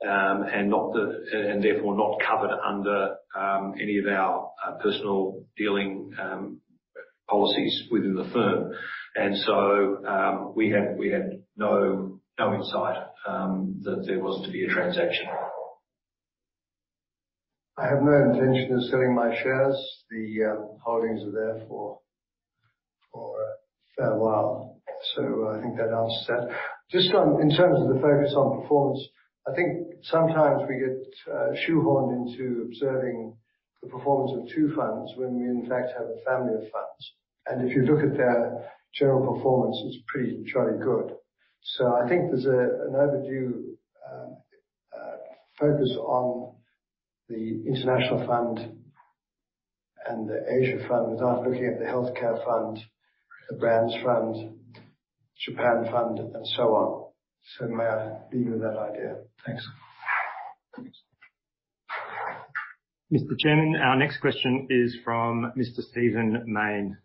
and therefore not covered under any of our personal dealing policies within the firm. We had no insight that there was to be a transaction. I have no intention of selling my shares. The holdings are there for a fair while. I think that answers that. Just on, in terms of the focus on performance, I think sometimes we get shoehorned into observing the performance of two funds when we in fact have a family of funds. If you look at their general performance, it's pretty jolly good. I think there's an overdue focus on the Platinum International Fund and the Platinum Asia Fund without looking at the Platinum International Healthcare Fund, the Platinum International Brands Fund, Platinum Japan Fund and so on. May I leave you with that idea? Thanks. Mr. Chairman, our next question is from Mr. Stephen Mayne.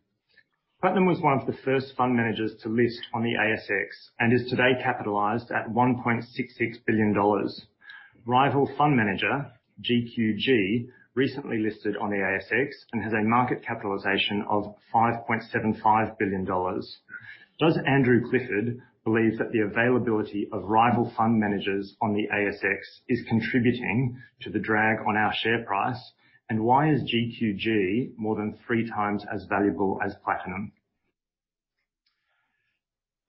"Platinum was one of the first fund managers to list on the ASX and is today capitalized at 1.66 billion dollars. Rival fund manager GQG recently listed on the ASX and has a market capitalization of 5.75 billion dollars. Does Andrew Clifford believe that the availability of rival fund managers on the ASX is contributing to the drag on our share price? And why is GQG more than three times as valuable as Platinum?".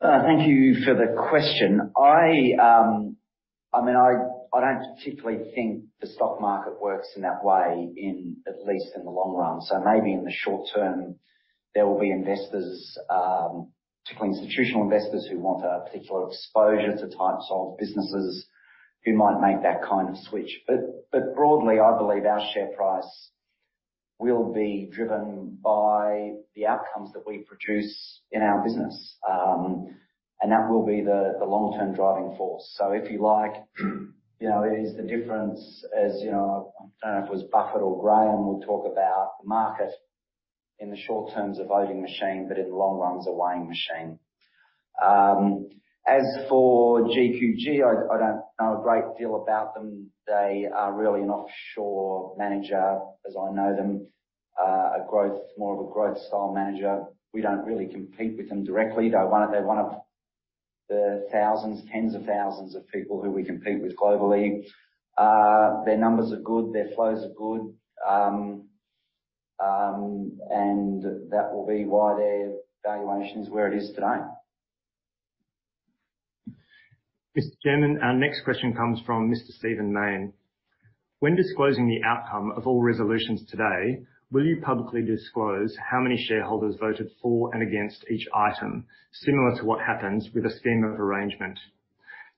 Thank you for the question. I don't particularly think the stock market works in that way, at least in the long run. Maybe in the short term there will be investors, particularly institutional investors, who want a particular exposure to types of businesses who might make that kind of switch. Broadly, I believe our share price will be driven by the outcomes that we produce in our business. That will be the long-term driving force. If you like, you know, it is the difference, you know, I don't know if it was Warren Buffett or Benjamin Graham would talk about the market in the short term is a voting machine, but in the long run is a weighing machine. As for GQG, I don't know a great deal about them. They are really an offshore manager as I know them. More of a growth style manager. We don't really compete with them directly. They're one of the thousands, tens of thousands of people who we compete with globally. Their numbers are good, their flows are good. That will be why their valuation is where it is today. Mr. Chairman, our next question comes from Mr. Stephen Mayne. "When disclosing the outcome of all resolutions today, will you publicly disclose how many shareholders voted for and against each item, similar to what happens with a scheme of arrangement?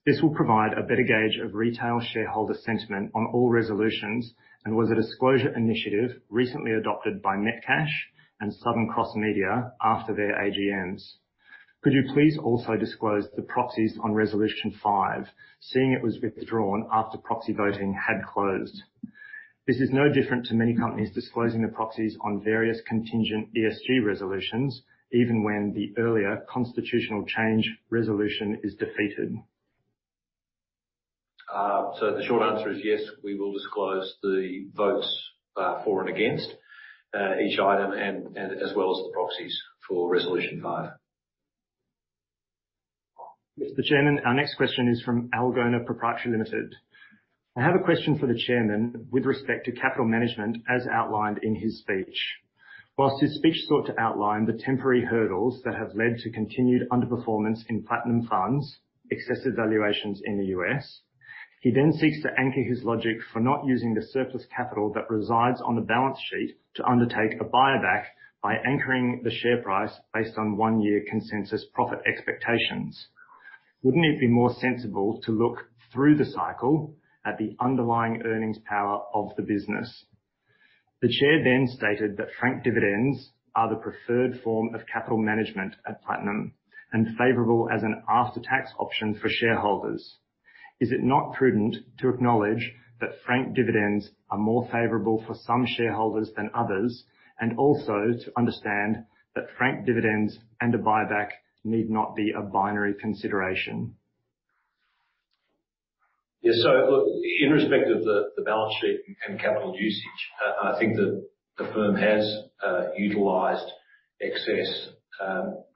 This will provide a better gauge of retail shareholder sentiment on all resolutions, and was a disclosure initiative recently adopted by Metcash and Southern Cross Media after their AGMs. Could you please also disclose the proxies on Resolution 5, seeing it was withdrawn after proxy voting had closed? This is no different to many companies disclosing their proxies on various contingent ESG resolutions even when the earlier constitutional change resolution is defeated. The short answer is yes, we will disclose the votes for and against each item and as well as the proxies for Resolution 5. Mr. Chairman, our next question is from Algona Pty Ltd. "I have a question for the Chairman with respect to capital management as outlined in his speech. While his speech sought to outline the temporary hurdles that have led to continued underperformance in Platinum funds, excessive valuations in the U.S., he then seeks to anchor his logic for not using the surplus capital that resides on the balance sheet to undertake a buyback by anchoring the share price based on 1-year consensus profit expectations. Wouldn't it be more sensible to look through the cycle at the underlying earnings power of the business? The Chair then stated that franked dividends are the preferred form of capital management at Platinum and favorable as an after-tax option for shareholders. Is it not prudent to acknowledge that franked dividends are more favorable for some shareholders than others, and also to understand that franked dividends and a buyback need not be a binary consideration?". Yeah. Look, in respect of the balance sheet and capital usage, I think that the firm has utilized excess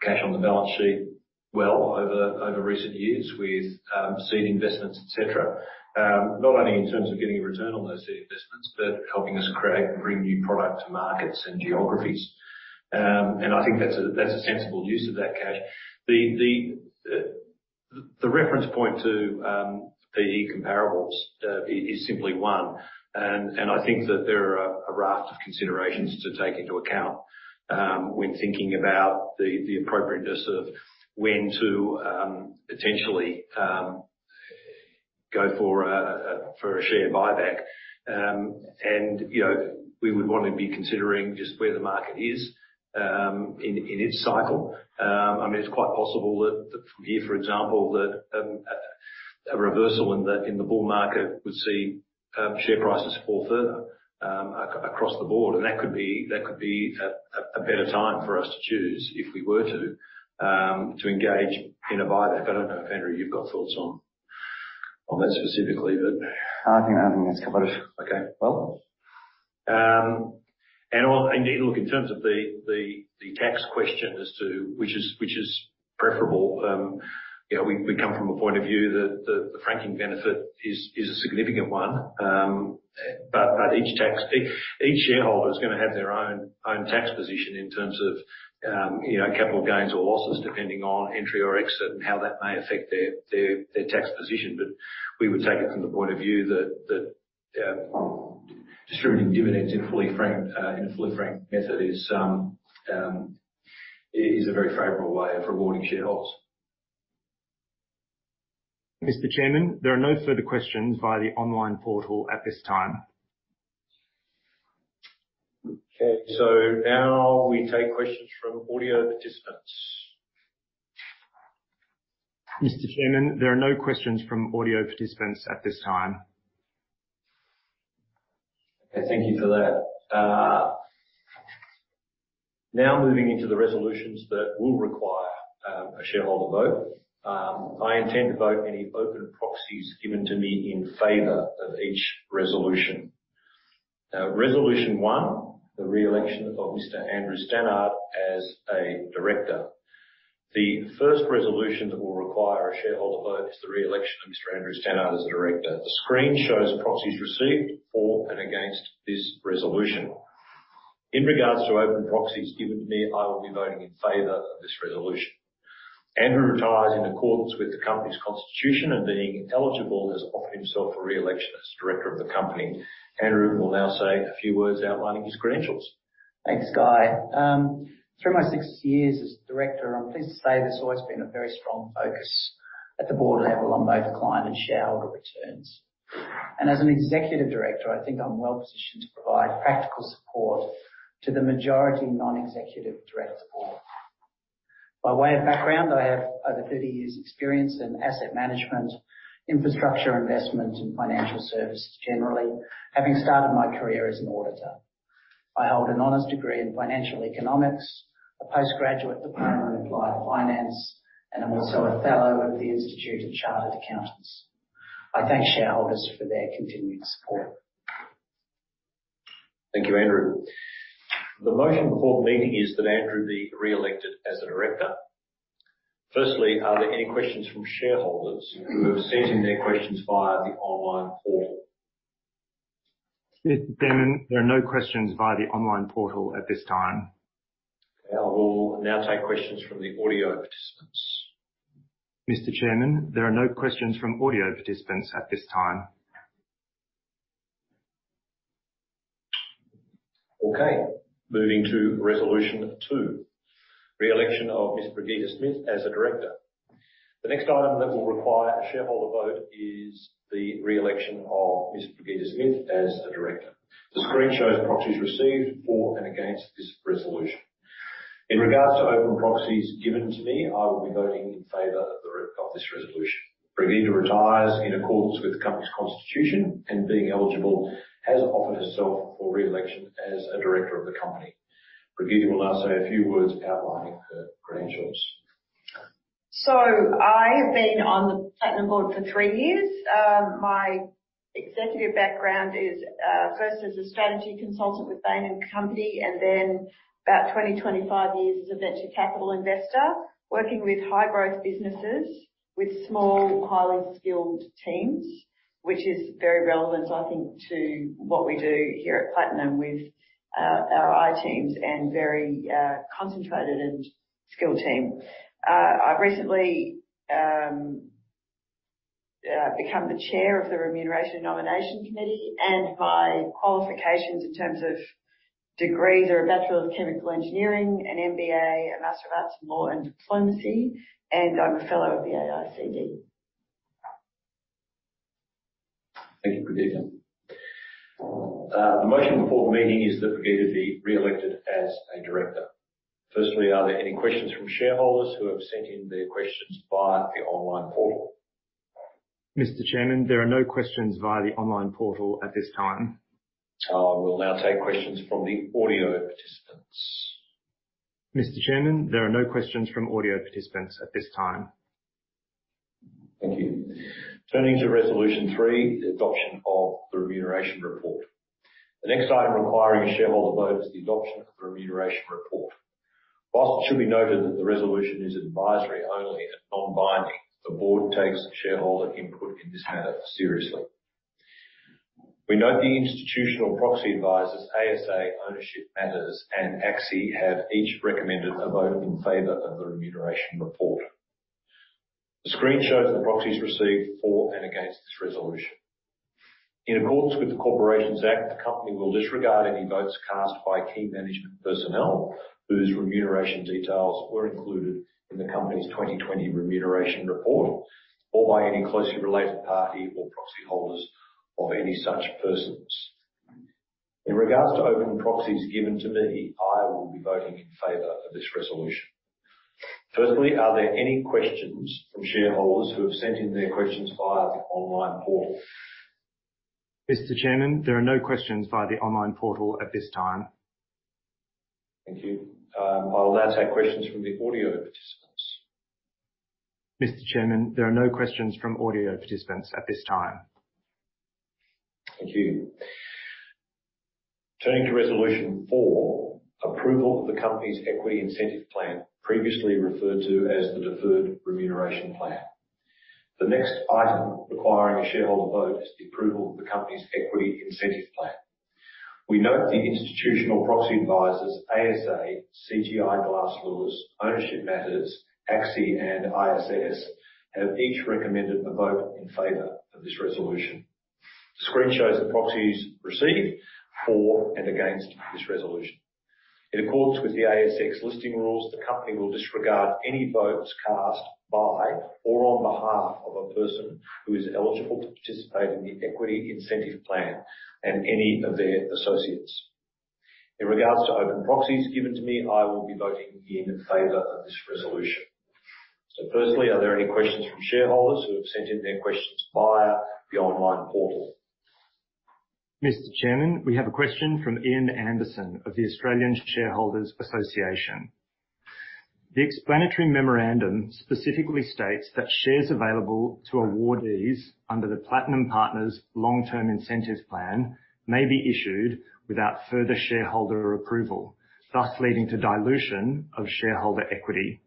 cash on the balance sheet well over recent years with seed investments, et cetera. Not only in terms of getting a return on those seed investments, but helping us create and bring new product to markets and geographies. I think that's a sensible use of that cash. The reference point to PE comparables is simply one. I think that there are a raft of considerations to take into account when thinking about the appropriateness of when to potentially go for a share buyback. You know, we would want to be considering just where the market is in its cycle. I mean, it's quite possible that, from here, for example, that a reversal in the bull market would see share prices fall further across the Board, and that could be a better time for us to choose if we were to engage in a buyback. I don't know if, Andrew, you've got thoughts on that specifically, but I think that's covered. Okay. Well, look, indeed, look, in terms of the tax question as to which is preferable, you know, we come from a point of view that the franking benefit is a significant one. Each shareholder is gonna have their own tax position in terms of, you know, capital gains or losses, depending on entry or exit and how that may affect their tax position. We would take it from the point of view that distributing dividends in a fully franked method is a very favorable way of rewarding shareholders. Mr. Chairman, there are no further questions via the online portal at this time. Okay. Now we take questions from audio participants. Mr. Chairman, there are no questions from audio participants at this time. Okay. Thank you for that. Now moving into the resolutions that will require a shareholder vote. I intend to vote any open proxies given to me in favor of each resolution. Now, Resolution 1, the re-election of Mr. Andrew Stannard as a Director. The first resolution that will require a shareholder vote is the re-election of Mr. Andrew Stannard as a Director. The screen shows proxies received for and against this resolution. In regards to open proxies given to me, I will be voting in favor of this resolution. Andrew retires in accordance with the company's constitution and being eligible has offered himself for re-election as Director of the company. Andrew will now say a few words outlining his credentials. Thanks, Guy. Through my six years as Director, I'm pleased to say there's always been a very strong focus at the Board level on both client and shareholder returns. As an Executive Director, I think I'm well-positioned to provide practical support to the majority Non-Executive Director Board. By way of background, I have over 30 years' experience in asset management, infrastructure investment, and financial services generally, having started my career as an auditor. I hold an honors degree in financial economics, a postgraduate diploma in applied finance, and I'm also a fellow of the Institute of Chartered Accountants. I thank shareholders for their continued support. Thank you, Andrew. We'll now take questions from the audio participants. Mr. Chairman, there are no questions from audio participants at this time. Thank you. Turning to Resolution 3, the adoption of the Remuneration Report. The next item requiring a shareholder vote is the adoption of the Remuneration Report. While it should be noted that the resolution is advisory only and non-binding, the Board takes shareholder input in this matter seriously. We note the institutional proxy advisors, ASA, Ownership Matters, and ISS have each recommended a vote in favor of the Remuneration Report. The screen shows the proxies received for and against this resolution. In accordance with the Corporations Act 2001, the company will disregard any votes cast by key management personnel whose remuneration details were included in the company's 2020 Remuneration Report, or by any closely related party or proxy holders of any such persons. In regards to open proxies given to me, I will be voting in favor of this resolution. Firstly, are there any questions from shareholders who have sent in their questions via the online portal? Mr. Chairman, there are no questions via the online portal at this time. Thank you. I will now take questions from the audio participants. Mr. Chairman, there are no questions from audio participants at this time. Thank you. Turning to Resolution 4, approval of the company's Equity Incentive Plan, previously referred to as the Deferred Remuneration Plan. The next item requiring a shareholder vote is the approval of the company's Equity Incentive Plan. We note the institutional proxy advisors ASA, Glass Lewis, Ownership Matters, and ISS have each recommended a vote in favor of this resolution. The screen shows the proxies received for and against this resolution. In accordance with the ASX Listing Rules, the company will disregard any votes cast by or on behalf of a person who is eligible to participate in the Equity Incentive Plan and any of their associates. In regards to open proxies given to me, I will be voting in favor of this resolution. Firstly, are there any questions from shareholders who have sent in their questions via the online portal? Mr. Chairman, we have a question from Ian Anderson of the Australian Shareholders' Association. The explanatory memorandum specifically states that shares available to awardees under the Platinum Partners' Long-Term Incentive Plan may be issued without further shareholder approval, thus leading to dilution of shareholder equity.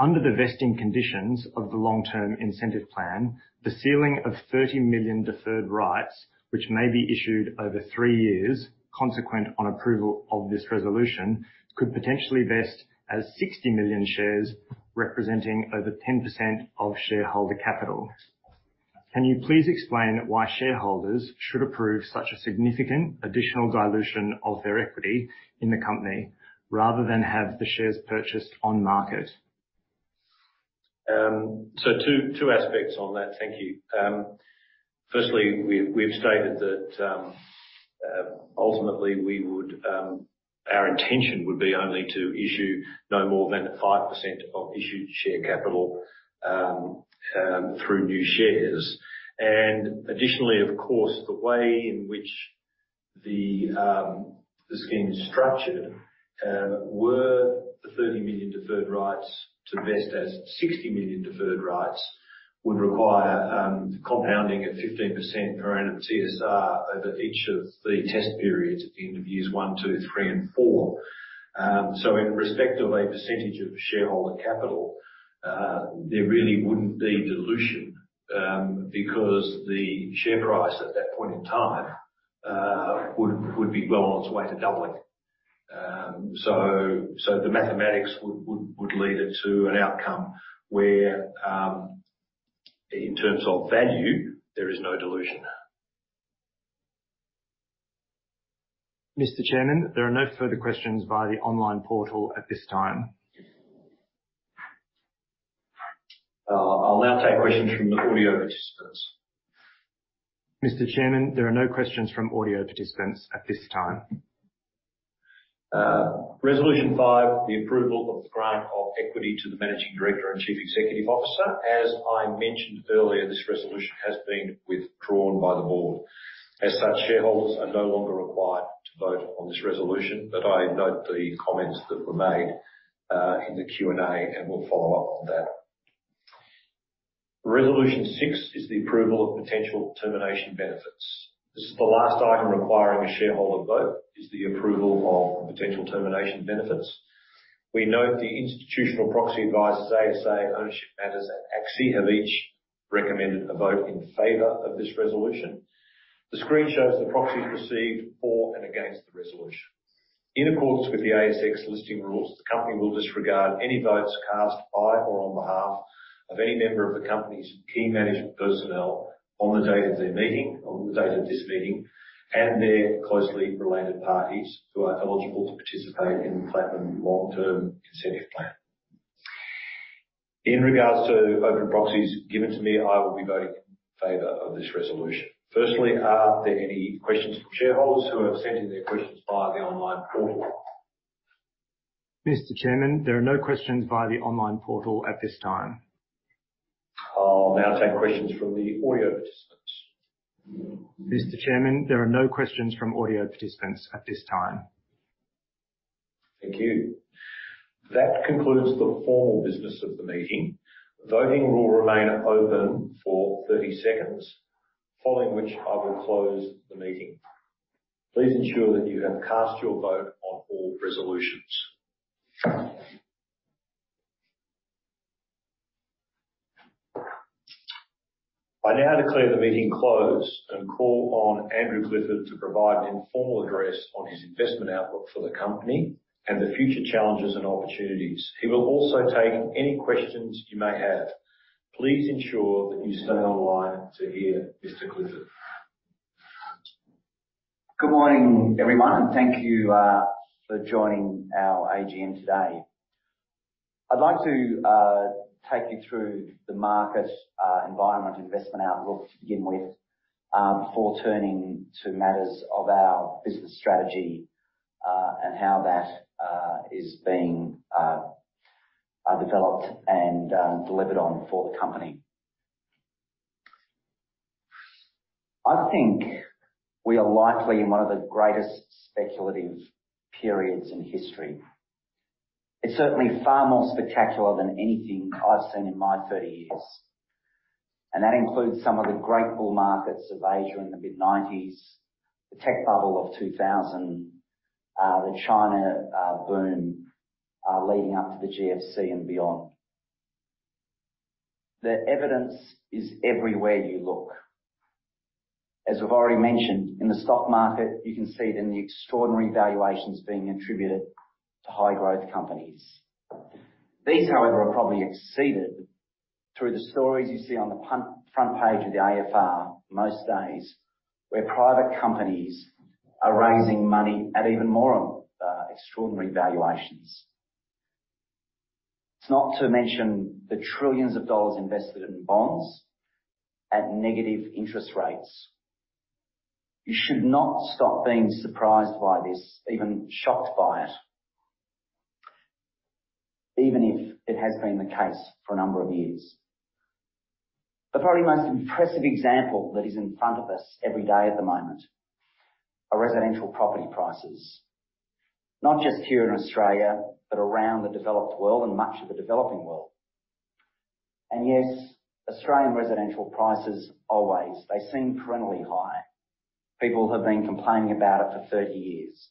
Under the vesting conditions of the Long-Term Incentive Plan, the ceiling of 30 million deferred rights, which may be issued over three years, consequent on approval of this resolution, could potentially vest as 60 million shares, representing over 10% of shareholder capital. Can you please explain why shareholders should approve such a significant additional dilution of their equity in the company rather than have the shares purchased on market? Two aspects on that. Thank you. Firstly, we've stated that ultimately our intention would be only to issue no more than 5% of issued share capital through new shares. Additionally, of course, the way in which the scheme is structured, were the 30 million deferred rights to vest as 60 million deferred rights would require compounding at 15% per annum TSR over each of the test periods at the end of years one, two, three and four. In respect of a percentage of shareholder capital, there really wouldn't be dilution because the share price at that point in time would be well on its way to doubling. The mathematics would lead it to an outcome where, in terms of value, there is no dilution. Mr. Chairman, there are no further questions via the online portal at this time. I'll now take questions from the audio participants. Mr. Chairman, there are no questions from audio participants at this time. Resolution 5, the approval of the grant of equity to the Managing Director and Chief Executive Officer. As I mentioned earlier, this resolution has been withdrawn by the Board. As such, shareholders are no longer required to vote on this resolution, but I note the comments that were made in the Q&A, and we'll follow up on that. Resolution 6 is the approval of potential termination benefits. This is the last item requiring a shareholder vote, the approval of potential termination benefits. We note the institutional proxy advisors, ASA, Ownership Matters, and ISS, have each recommended a vote in favor of this resolution. The screen shows the proxies received for and against the resolution. In accordance with the ASX Listing Rules, the company will disregard any votes cast by or on behalf of any member of the company's key management personnel on the date of this meeting, and their closely related parties who are eligible to participate in the Platinum Long-Term Incentive Plan. In regard to open proxies given to me, I will be voting in favor of this resolution. Firstly, are there any questions from shareholders who have sent in their questions via the online portal? Mr. Chairman, there are no questions via the online portal at this time. I'll now take questions from the audio participants. Mr. Chairman, there are no questions from audio participants at this time. Thank you. That concludes the formal business of the meeting. Voting will remain open for 30 seconds, following which I will close the meeting. Please ensure that you have cast your vote on all resolutions. I now declare the meeting closed and call on Andrew Clifford to provide an informal address on his investment outlook for the company and the future challenges and opportunities. He will also take any questions you may have. Please ensure that you stay online to hear Mr. Clifford. Good morning, everyone, and thank you for joining our AGM today. I'd like to take you through the market environment investment outlook to begin with, before turning to matters of our business strategy and how that is being developed and delivered on for the company. I think we are likely in one of the greatest speculative periods in history. It's certainly far more spectacular than anything I've seen in my 30 years, and that includes some of the great bull markets of Asia in the mid-1990s, the tech bubble of 2000, the China boom leading up to the GFC and beyond. The evidence is everywhere you look. As we've already mentioned in the stock market, you can see it in the extraordinary valuations being attributed to high growth companies. These, however, are probably exceeded through the stories you see on the front page of the AFR most days, where private companies are raising money at even more extraordinary valuations. It's not to mention the trillions of dollars invested in bonds at negative interest rates. You should not stop being surprised by this, even shocked by it. Even if it has been the case for a number of years. Probably the most impressive example that is in front of us every day at the moment are residential property prices. Not just here in Australia, but around the developed world and much of the developing world. Yes, Australian residential prices always. They seem perennially high. People have been complaining about it for 30 years.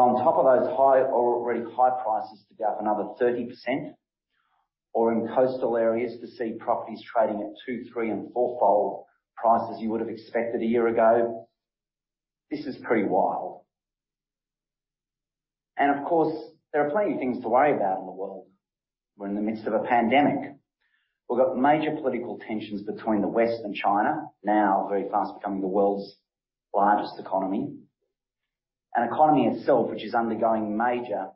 On top of those high, already high prices, to go up another 30% or in coastal areas to see properties trading at 2-, 3-, and 4-fold prices you would have expected a year ago. This is pretty wild. Of course, there are plenty of things to worry about in the world. We're in the midst of a pandemic. We've got major political tensions between the West and China, now very fast becoming the world's largest economy. An economy itself, which is undergoing major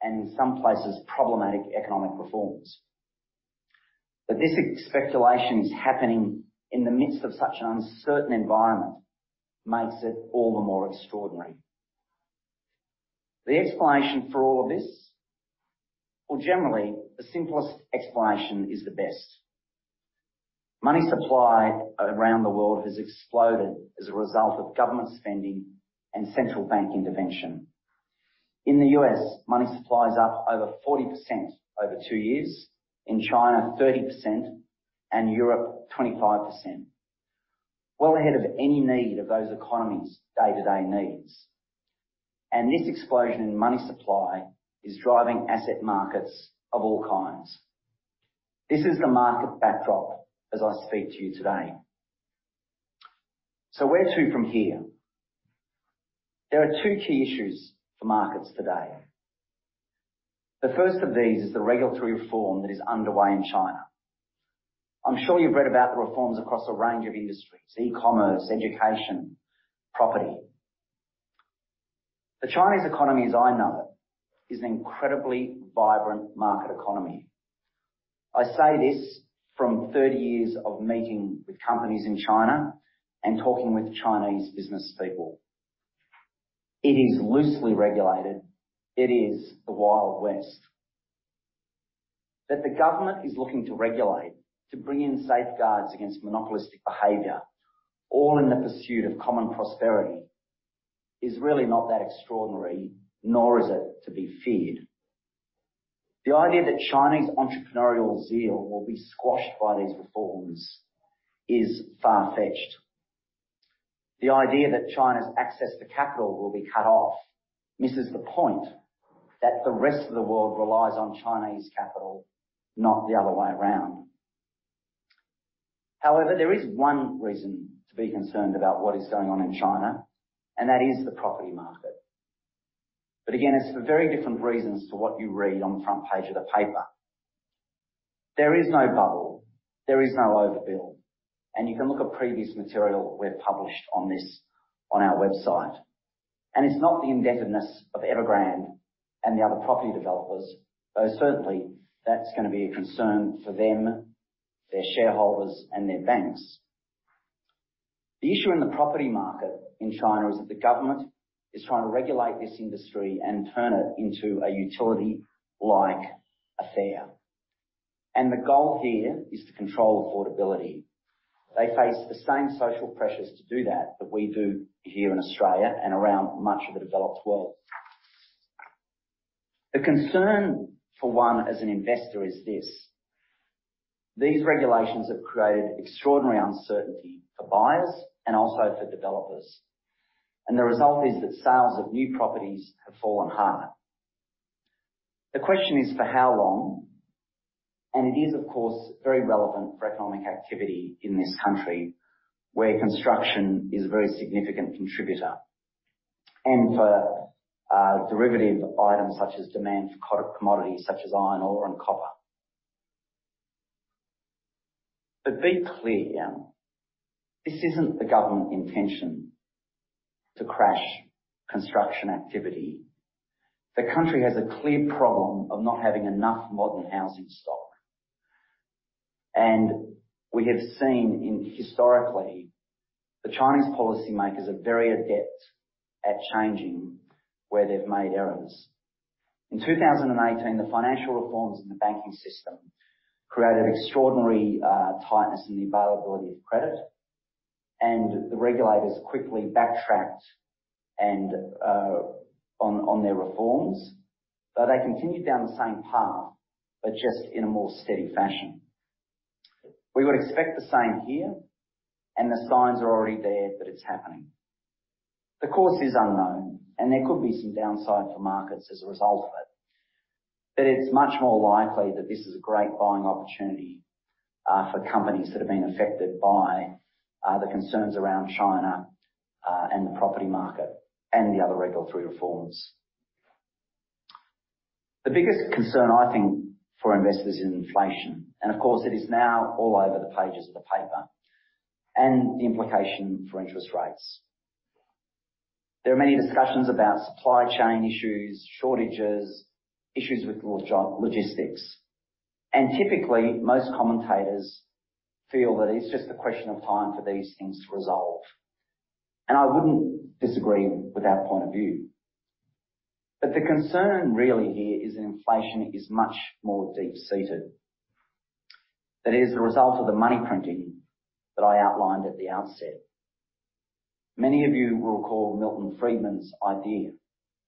and in some places problematic economic performance. That this speculation is happening in the midst of such an uncertain environment makes it all the more extraordinary. The explanation for all of this? Well, generally, the simplest explanation is the best. Money supply around the world has exploded as a result of government spending and central bank intervention. In the U.S., money supply is up over 40% over two years. In China, 30%, and Europe, 25%. Well ahead of any need of those economies' day-to-day needs. This explosion in money supply is driving asset markets of all kinds. This is the market backdrop as I speak to you today. Where to from here? There are two key issues for markets today. The first of these is the regulatory reform that is underway in China. I'm sure you've read about the reforms across a range of industries, e-commerce, education, property. The Chinese economy as I know it is an incredibly vibrant market economy. I say this from 30 years of meeting with companies in China and talking with Chinese business people. It is loosely regulated. It is the Wild West. That the government is looking to regulate to bring in safeguards against monopolistic behavior, all in the pursuit of common prosperity is really not that extraordinary, nor is it to be feared. The idea that Chinese entrepreneurial zeal will be squashed by these reforms is far-fetched. The idea that China's access to capital will be cut off misses the point that the rest of the world relies on Chinese capital, not the other way around. However, there is one reason to be concerned about what is going on in China, and that is the property market. It's for very different reasons to what you read on the front page of the paper. There is no bubble, there is no overbuild, and you can look at previous material we've published on this on our website. It's not the indebtedness of Evergrande and the other property developers, though certainly that's going to be a concern for them, their shareholders and their banks. The issue in the property market in China is that the government is trying to regulate this industry and turn it into a utility-like affair. The goal here is to control affordability. They face the same social pressures to do that that we do here in Australia and around much of the developed world. The concern for one as an investor is this: these regulations have created extraordinary uncertainty for buyers and also for developers, and the result is that sales of new properties have fallen harder. The question is for how long? It is of course very relevant for economic activity in this country, where construction is a very significant contributor, and for derivative items such as demand for commodities such as iron ore and copper. Be clear, this isn't the government intention to crash construction activity. The country has a clear problem of not having enough modern housing stock. We have seen historically the Chinese policymakers are very adept at changing where they've made errors. In 2018, the financial reforms in the banking system created extraordinary tightness in the availability of credit, and the regulators quickly backtracked and on their reforms, but they continued down the same path, but just in a more steady fashion. We would expect the same here, and the signs are already there that it's happening. The course is unknown and there could be some downside for markets as a result of it. It's much more likely that this is a great buying opportunity for companies that have been affected by the concerns around China and the property market and the other regulatory reforms. The biggest concern, I think, for investors is inflation, and of course, it is now all over the pages of the paper and the implication for interest rates. There are many discussions about supply chain issues, shortages, issues with logistics, and typically most commentators feel that it's just a question of time for these things to resolve. I wouldn't disagree with that point of view. The concern really here is that inflation is much more deep-seated. That is the result of the money printing that I outlined at the outset. Many of you will recall Milton Friedman's idea,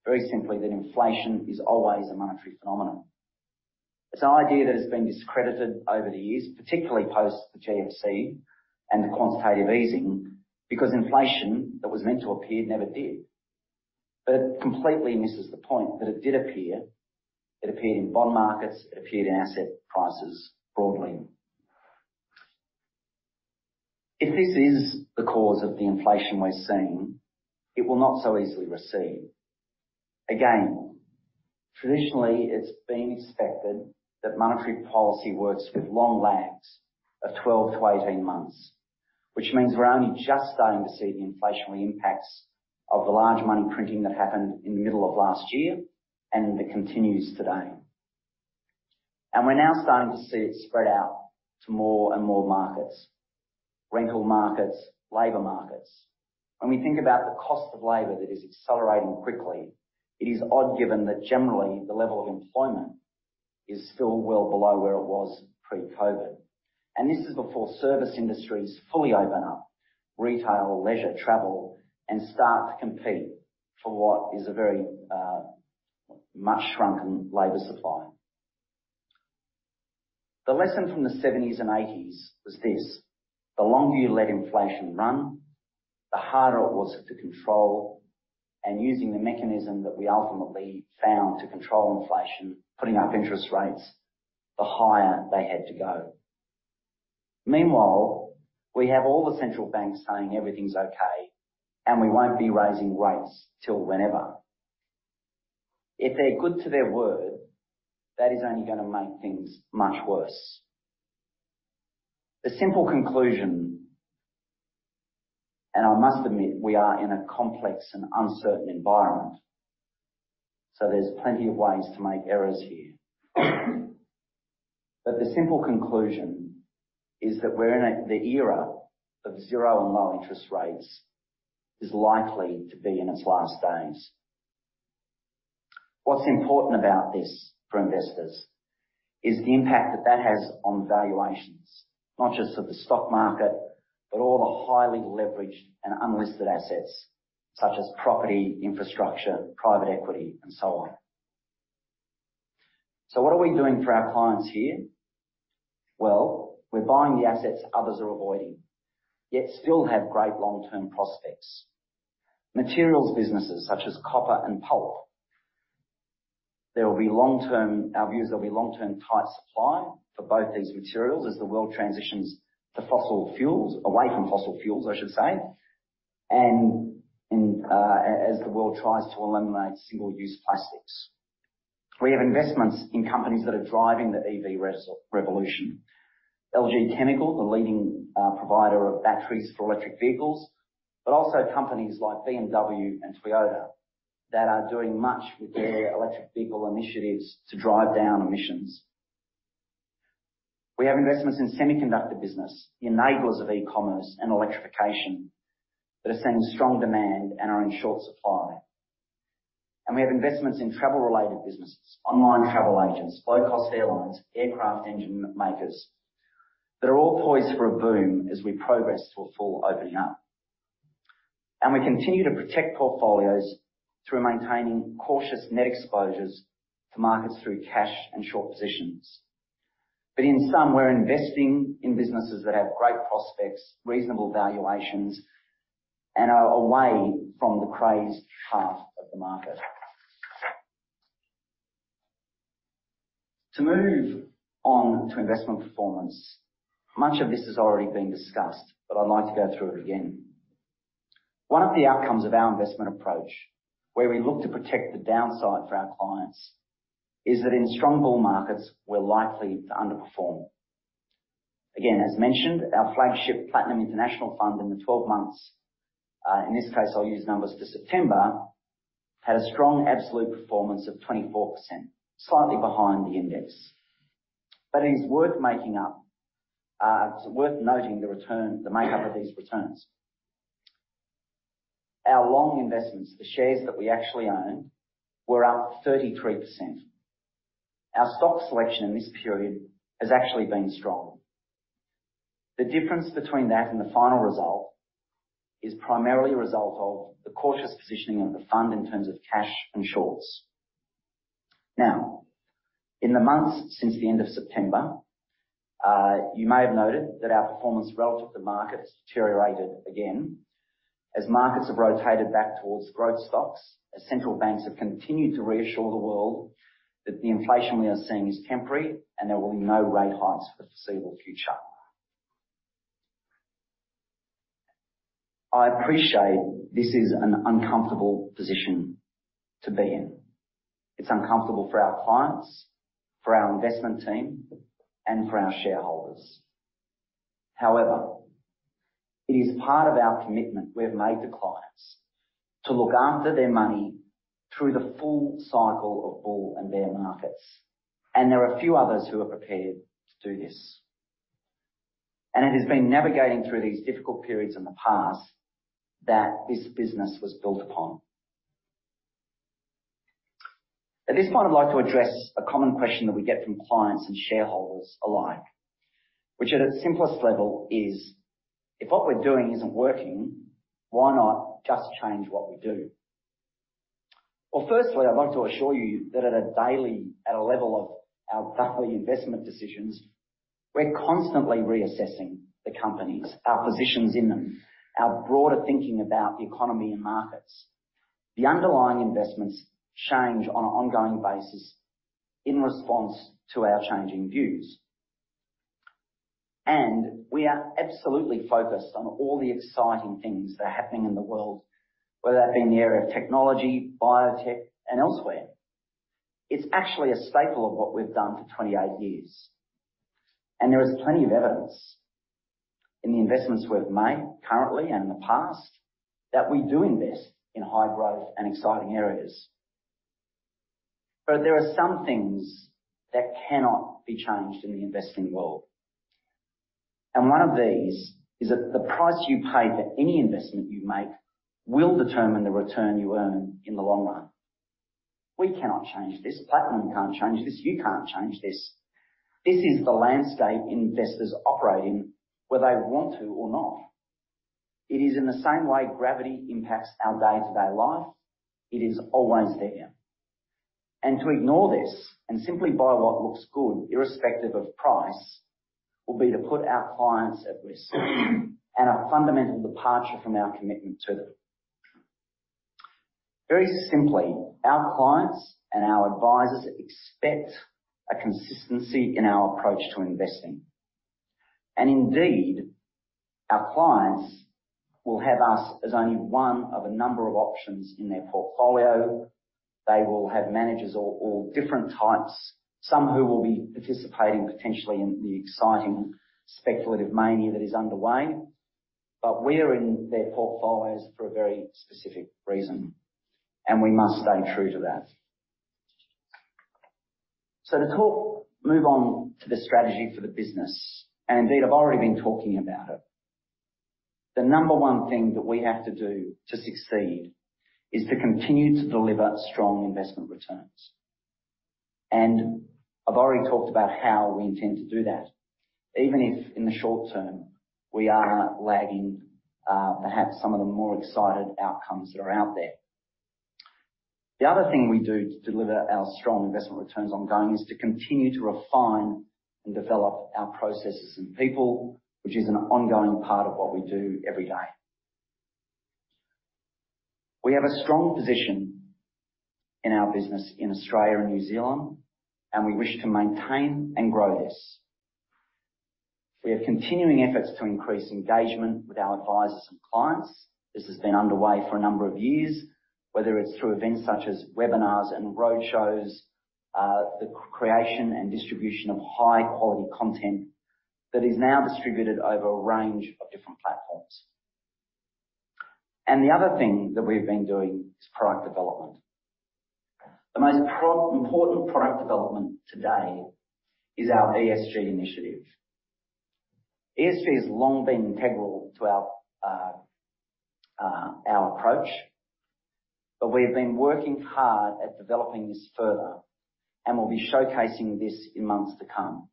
very simply, that inflation is always a monetary phenomenon. It's an idea that has been discredited over the years, particularly post the GFC and the quantitative easing, because inflation that was meant to appear never did. But it completely misses the point that it did appear. It appeared in bond markets, it appeared in asset prices broadly. If this is the cause of the inflation we're seeing, it will not so easily recede. Again, traditionally it's been expected that monetary policy works with long lags of 12-18 months, which means we're only just starting to see the inflationary impacts of the large money printing that happened in the middle of last year, and it continues today. We're now starting to see it spread out to more and more markets, rental markets, labor markets. When we think about the cost of labor that is accelerating quickly, it is odd given that generally the level of employment is still well below where it was pre-COVID. This is before service industries fully open up retail, leisure, travel, and start to compete for what is a very much shrunken labor supply. The lesson from the 1970s and 1980s was this. The longer you let inflation run, the harder it was to control, and using the mechanism that we ultimately found to control inflation, putting up interest rates, the higher they had to go. Meanwhile, we have all the central banks saying, "Everything's okay, and we won't be raising rates till whenever." If they're good to their word, that is only gonna make things much worse. The simple conclusion, and I must admit, we are in a complex and uncertain environment, so there's plenty of ways to make errors here. The simple conclusion is that we're in the era of zero and low interest rates is likely to be in its last days. What's important about this for investors is the impact that that has on valuations, not just of the stock market, but all the highly leveraged and unlisted assets such as property, infrastructure, private equity, and so on. What are we doing for our clients here? Well, we're buying the assets others are avoiding, yet still have great long-term prospects. Materials businesses such as copper and pulp. Our view is there'll be long-term tight supply for both these materials as the world transitions away from fossil fuels, I should say. As the world tries to eliminate single-use plastics, we have investments in companies that are driving the EV revolution. LG Chem, the leading provider of batteries for electric vehicles, but also companies like BMW and Toyota that are doing much with their electric vehicle initiatives to drive down emissions. We have investments in semiconductor business, the enablers of e-commerce and electrification that are seeing strong demand and are in short supply. We have investments in travel-related businesses, online travel agents, low-cost airlines, aircraft engine makers that are all poised for a boom as we progress to a full opening up. We continue to protect portfolios through maintaining cautious net exposures to markets through cash and short positions. In some, we're investing in businesses that have great prospects, reasonable valuations, and are away from the crazed part of the market. To move on to investment performance. Much of this has already been discussed, but I'd like to go through it again. One of the outcomes of our investment approach, where we look to protect the downside for our clients, is that in strong bull markets, we're likely to underperform. Again, as mentioned, our flagship Platinum International Fund in the 12 months, in this case, I'll use numbers for September, had a strong absolute performance of 24%, slightly behind the index. It is worth making up, it's worth noting the return, the makeup of these returns. Our long investments, the shares that we actually own, were up 33%. Our stock selection in this period has actually been strong. The difference between that and the final result is primarily a result of the cautious positioning of the fund in terms of cash and shorts. Now, in the months since the end of September, you may have noted that our performance relative to market has deteriorated again as markets have rotated back towards growth stocks, as central banks have continued to reassure the world that the inflation we are seeing is temporary and there will be no rate hikes for the foreseeable future. I appreciate this is an uncomfortable position to be in. It's uncomfortable for our clients, for our investment team, and for our shareholders. However, it is part of our commitment we have made to clients to look after their money through the full cycle of bull and bear markets, and there are few others who are prepared to do this. It has been navigating through these difficult periods in the past that this business was built upon. At this point, I'd like to address a common question that we get from clients and shareholders alike, which at its simplest level is, "If what we're doing isn't working, why not just change what we do?" Well, firstly, I'd like to assure you that at a level of our daily investment decisions, we're constantly reassessing the companies, our positions in them, our broader thinking about the economy and markets. The underlying investments change on an ongoing basis in response to our changing views. We are absolutely focused on all the exciting things that are happening in the world, whether that be in the area of technology, biotech, and elsewhere. It's actually a staple of what we've done for 28 years, and there is plenty of evidence in the investments we've made currently and in the past that we do invest in high-growth and exciting areas. There are some things that cannot be changed in the investing world, and one of these is that the price you pay for any investment you make will determine the return you earn in the long run. We cannot change this. Platinum can't change this. You can't change this. This is the landscape investors operate in, whether they want to or not. It is in the same way gravity impacts our day-to-day life. It is always there. To ignore this and simply buy what looks good irrespective of price, will be to put our clients at risk and a fundamental departure from our commitment to them. Very simply, our clients and our advisors expect a consistency in our approach to investing. Indeed our clients will have us as only one of a number of options in their portfolio. They will have managers or different types, some who will be participating potentially in the exciting speculative mania that is underway. We are in their portfolios for a very specific reason, and we must stay true to that. Move on to the strategy for the business, and indeed I've already been talking about it. The number one thing that we have to do to succeed is to continue to deliver strong investment returns. I've already talked about how we intend to do that, even if in the short term we are lagging, perhaps some of the more excited outcomes that are out there. The other thing we do to deliver our strong investment returns ongoing is to continue to refine and develop our processes and people, which is an ongoing part of what we do every day. We have a strong position in our business in Australia and New Zealand, and we wish to maintain and grow this. We have continuing efforts to increase engagement with our advisors and clients. This has been underway for a number of years, whether it's through events such as webinars and roadshows, the creation and distribution of high-quality content that is now distributed over a range of different platforms. The other thing that we've been doing is product development. The most important product development today is our ESG initiative. ESG has long been integral to our approach, but we've been working hard at developing this further, and we'll be showcasing this in months to come.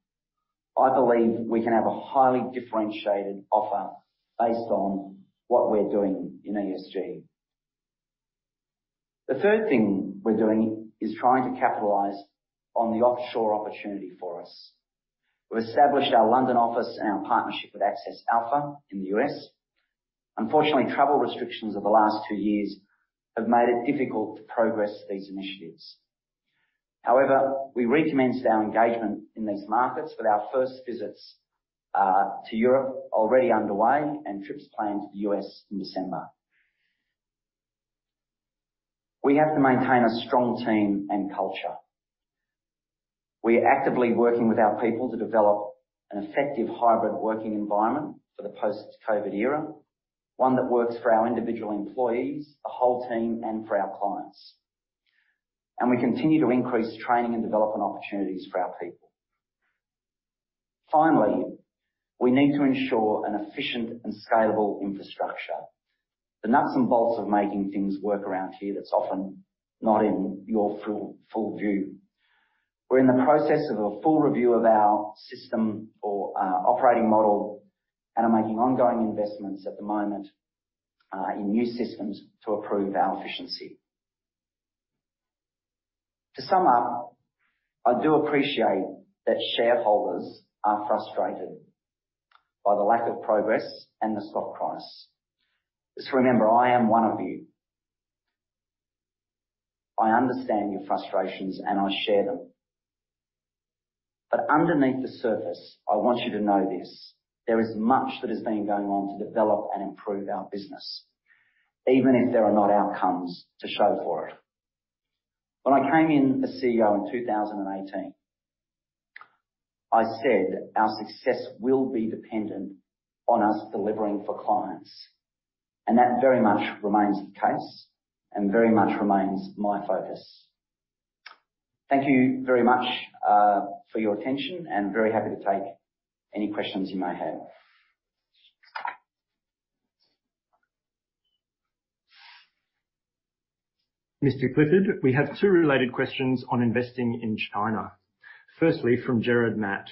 I believe we can have a highly differentiated offer based on what we're doing in ESG. The third thing we're doing is trying to capitalize on the offshore opportunity for us. We've established our London office and our partnership with AccessAlpha Worldwide in the U.S. Unfortunately, travel restrictions over the last two years have made it difficult to progress these initiatives. However, we recommenced our engagement in these markets with our first visits to Europe already underway and trips planned to the U.S. in December. We have to maintain a strong team and culture. We are actively working with our people to develop an effective hybrid working environment for the post-COVID era, one that works for our individual employees, the whole team, and for our clients. We continue to increase training and development opportunities for our people. Finally, we need to ensure an efficient and scalable infrastructure, the nuts and bolts of making things work around here that's often not in your full view. We're in the process of a full review of our system or operating model, and are making ongoing investments at the moment in new systems to improve our efficiency. To sum up, I do appreciate that shareholders are frustrated by the lack of progress and the stock price. Just remember, I am one of you. I understand your frustrations, and I share them. Underneath the surface, I want you to know this, there is much that has been going on to develop and improve our business, even if there are not outcomes to show for it. When I came in as CEO in 2018, I said our success will be dependent on us delivering for clients, and that very much remains the case and very much remains my focus. Thank you very much for your attention and very happy to take any questions you may have. Mr. Clifford, we have two related questions on investing in China. Firstly, from Gerard Matt,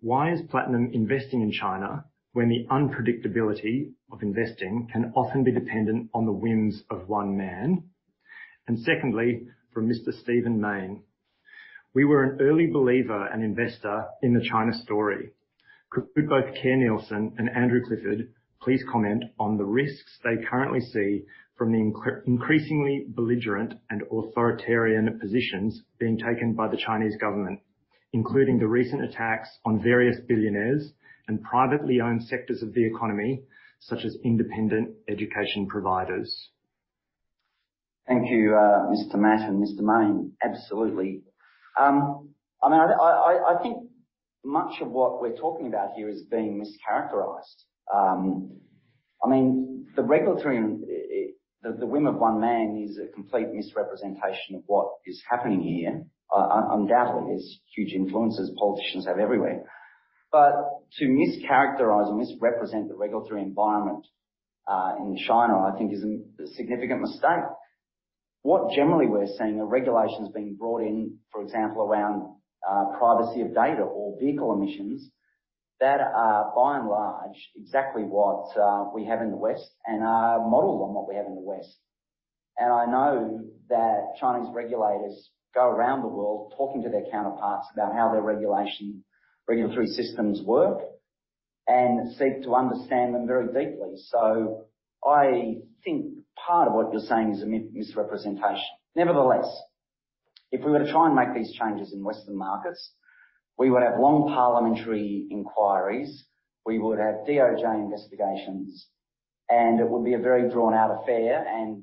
"Why is Platinum investing in China when the unpredictability of investing can often be dependent on the whims of one man?" And secondly, from Mr. Stephen Mayne, "We were an early believer and investor in the China story. Could both Kerr Neilson and Andrew Clifford please comment on the risks they currently see from the increasingly belligerent and authoritarian positions being taken by the Chinese government, including the recent attacks on various billionaires and privately owned sectors of the economy, such as independent education providers?". Thank you, Mr. Matt and Mr. Mayne. Absolutely. I mean, I think much of what we're talking about here is being mischaracterized. I mean, the whim of one man is a complete misrepresentation of what is happening here. Undoubtedly, there's huge influences politicians have everywhere. But to mischaracterize and misrepresent the regulatory environment, in China, I think is a significant mistake. What generally we're seeing are regulations being brought in, for example, around, privacy of data or vehicle emissions that are by and large exactly what, we have in the West and are modeled on what we have in the West. I know that Chinese regulators go around the world talking to their counterparts about how their regulatory systems work and seek to understand them very deeply. I think part of what you're saying is a misrepresentation. Nevertheless. If we were to try and make these changes in Western markets, we would have long parliamentary inquiries, we would have DOJ investigations, and it would be a very drawn-out affair, and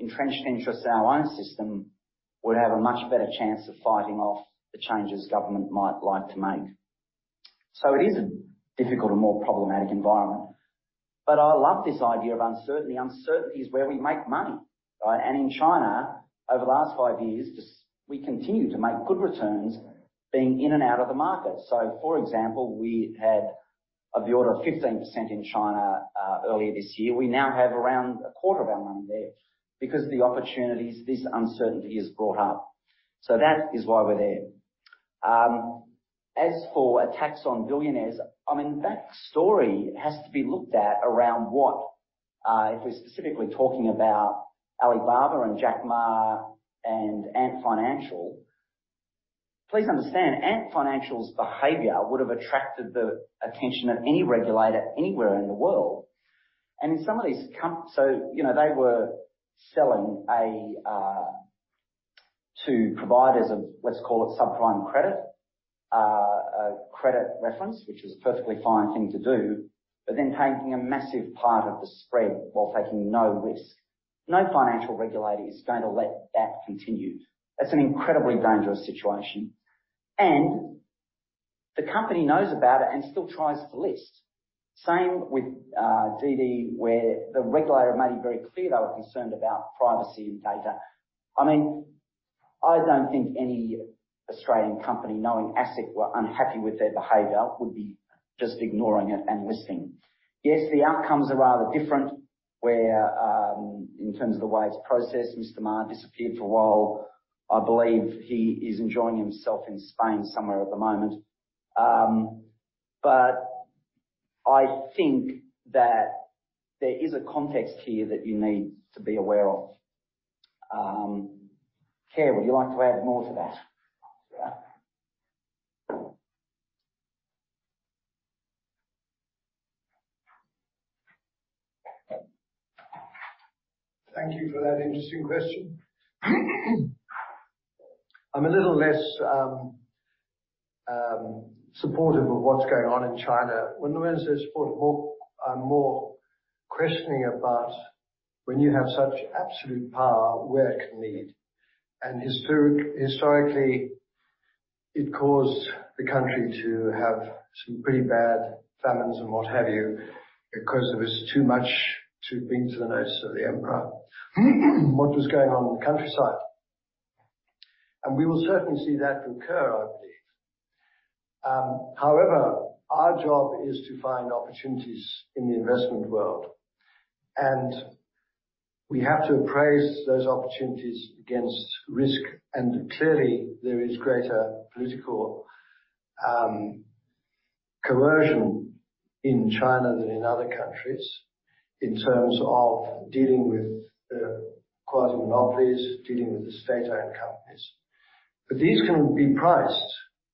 entrenched interests in our own system would have a much better chance of fighting off the changes government might like to make. It is a difficult and more problematic environment, but I love this idea of uncertainty. Uncertainty is where we make money, right? In China, over the last five years, just, we continue to make good returns being in and out of the market. For example, we had of the order of 15% in China earlier this year. We now have around a quarter of our money there because the opportunities this uncertainty has brought up. That is why we're there. As for a tax on billionaires, I mean, that story has to be looked at around what? If we're specifically talking about Alibaba and Jack Ma and Ant Financial, please understand, Ant Financial's behavior would have attracted the attention of any regulator anywhere in the world. You know, they were selling to providers of, let's call it subprime credit, a credit reference, which is a perfectly fine thing to do, but then taking a massive part of the spread while taking no risk. No financial regulator is going to let that continue. That's an incredibly dangerous situation. The company knows about it and still tries to list. Same with Didi, where the regulator made it very clear they were concerned about privacy and data. I mean, I don't think any Australian company knowing ASIC were unhappy with their behavior would be just ignoring it and listing. Yes, the outcomes are rather different, where, in terms of the way it's processed, Mr. Ma disappeared for a while. I believe he is enjoying himself in Spain somewhere at the moment. I think that there is a context here that you need to be aware of. Kerr, would you like to add more to that? Thank you for that interesting question. I'm a little less supportive of what's going on in China. When Andrew says supportive, I'm more questioning about when you have such absolute power, where it can lead. Historically, it caused the country to have some pretty bad famines and what have you, because there was too much ado in bringing to the notice of the emperor what was going on in the countryside. We will certainly see that recur, I believe. However, our job is to find opportunities in the investment world, and we have to appraise those opportunities against risk. Clearly, there is greater political coercion in China than in other countries in terms of dealing with quasi-monopolies, dealing with the state-owned companies. These can be priced,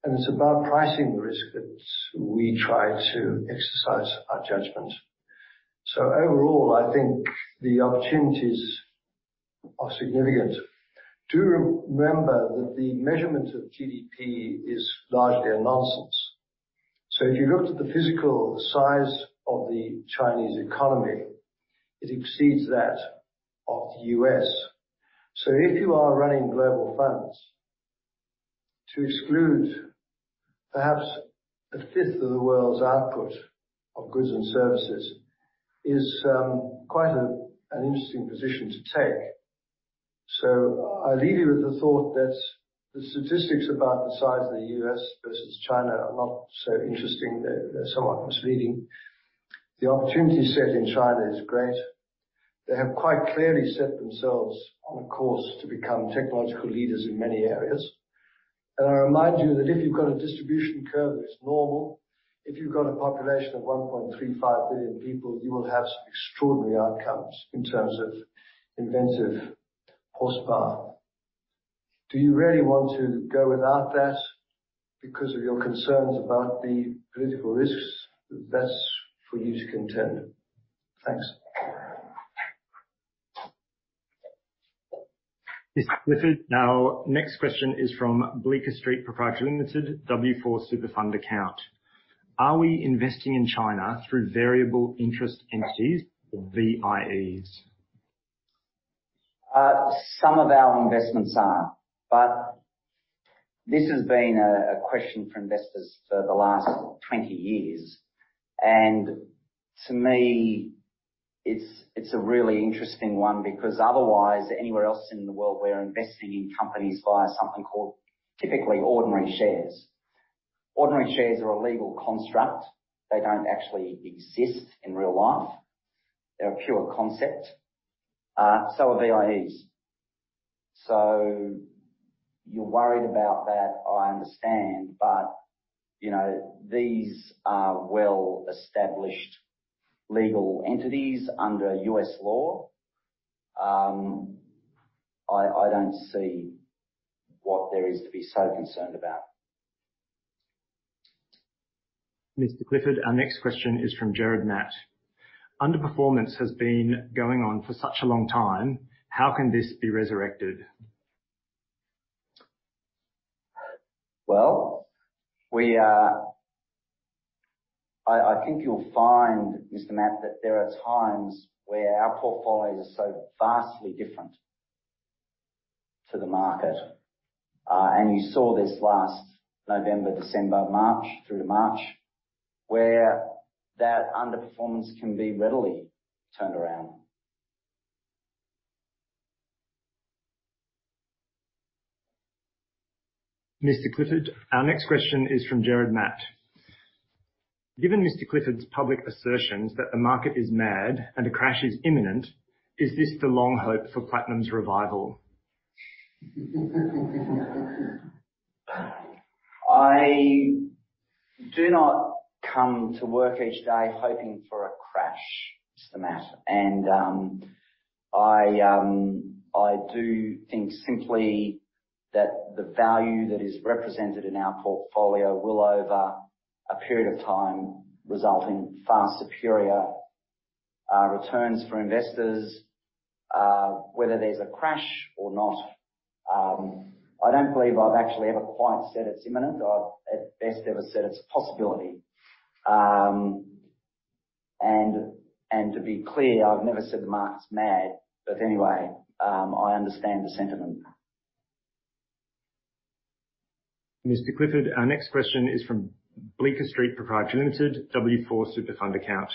and it's about pricing the risk that we try to exercise our judgment. Overall, I think the opportunities are significant. Do remember that the measurement of GDP is largely a nonsense. If you looked at the physical size of the Chinese economy, it exceeds that of the U.S. If you are running global funds, to exclude perhaps a fifth of the world's output of goods and services is quite an interesting position to take. I leave you with the thought that the statistics about the size of the U.S. versus China are not so interesting. They're somewhat misleading. The opportunity set in China is great. They have quite clearly set themselves on a course to become technological leaders in many areas. I remind you that if you've got a distribution curve that's normal, if you've got a population of 1.35 billion people, you will have some extraordinary outcomes in terms of inventive horsepower. Do you really want to go without that because of your concerns about the political risks? That's for you to contend. Thanks. Mr. Clifford, our next question is from Bleecker Street Proprietary Limited W4 Super Fund Account. "Are we investing in China through variable interest entities or VIEs?". Some of our investments are, but this has been a question for investors for the last 20 years. To me, it's a really interesting one because otherwise, anywhere else in the world we're investing in companies via something called typically ordinary shares. Ordinary shares are a legal construct. They don't actually exist in real life. They're a pure concept. So are VIEs. You're worried about that, I understand, but you know, these are well-established legal entities under U.S. law. I don't see what there is to be so concerned about. Mr. Andrew Clifford, our next question is from Gerard Matt. "Underperformance has been going on for such a long time. How can this be resurrected?". Well, I think you'll find, Mr. Matt, that there are times where our portfolios are so vastly different to the market, and you saw this last November, December, March, through to March, where that underperformance can be readily turned around. Mr. Clifford, our next question is from Gerard Matt. "Given Mr. Clifford's public assertions that the market is mad and a crash is imminent, is this the long-hoped-for Platinum's revival?". I do not come to work each day hoping for a crash, Mr. Matt. I do think simply that the value that is represented in our portfolio will, over a period of time, result in far superior returns for investors whether there's a crash or not. I don't believe I've actually ever quite said it's imminent. I've, at best, ever said it's a possibility. To be clear, I've never said the market's mad. Anyway, I understand the sentiment. Mr. Clifford, our next question is from Bleecker Street Proprietary Limited W4 Super Fund account.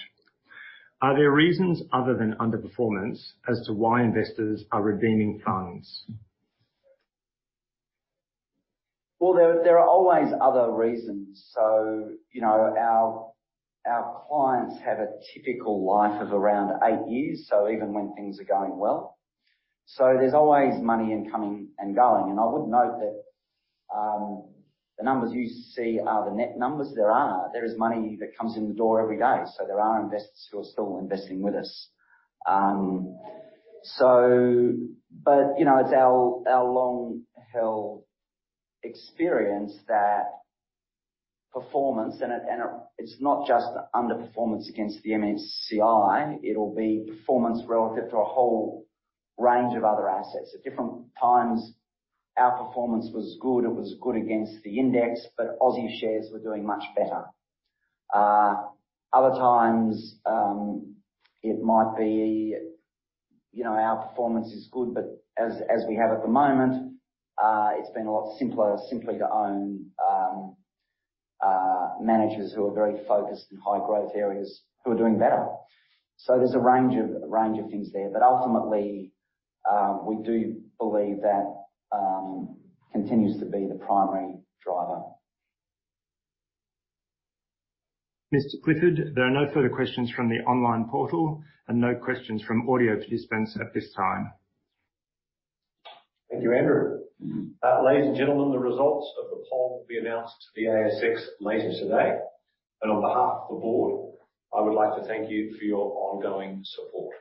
"Are there reasons other than underperformance as to why investors are redeeming funds?". There are always other reasons. You know, our clients have a typical life of around eight years, so even when things are going well. There's always money in coming and going. I would note that the numbers you see are the net numbers there are. There is money that comes in the door every day. There are investors who are still investing with us. You know, it's our long-held experience that performance, it's not just underperformance against the MSCI, it'll be performance relative to a whole range of other assets. At different times, our performance was good. It was good against the index, but Aussie shares were doing much better. Other times, it might be, you know, our performance is good, but as we have at the moment, it's been a lot simpler, simply to own managers who are very focused in high growth areas who are doing better. There's a range of things there. Ultimately, we do believe that continues to be the primary driver. Mr. Clifford, there are no further questions from the online portal and no questions from audio participants at this time. Thank you, Andrew. Ladies and gentlemen, the results of the poll will be announced to the ASX later today. On behalf of the Board, I would like to thank you for your ongoing support.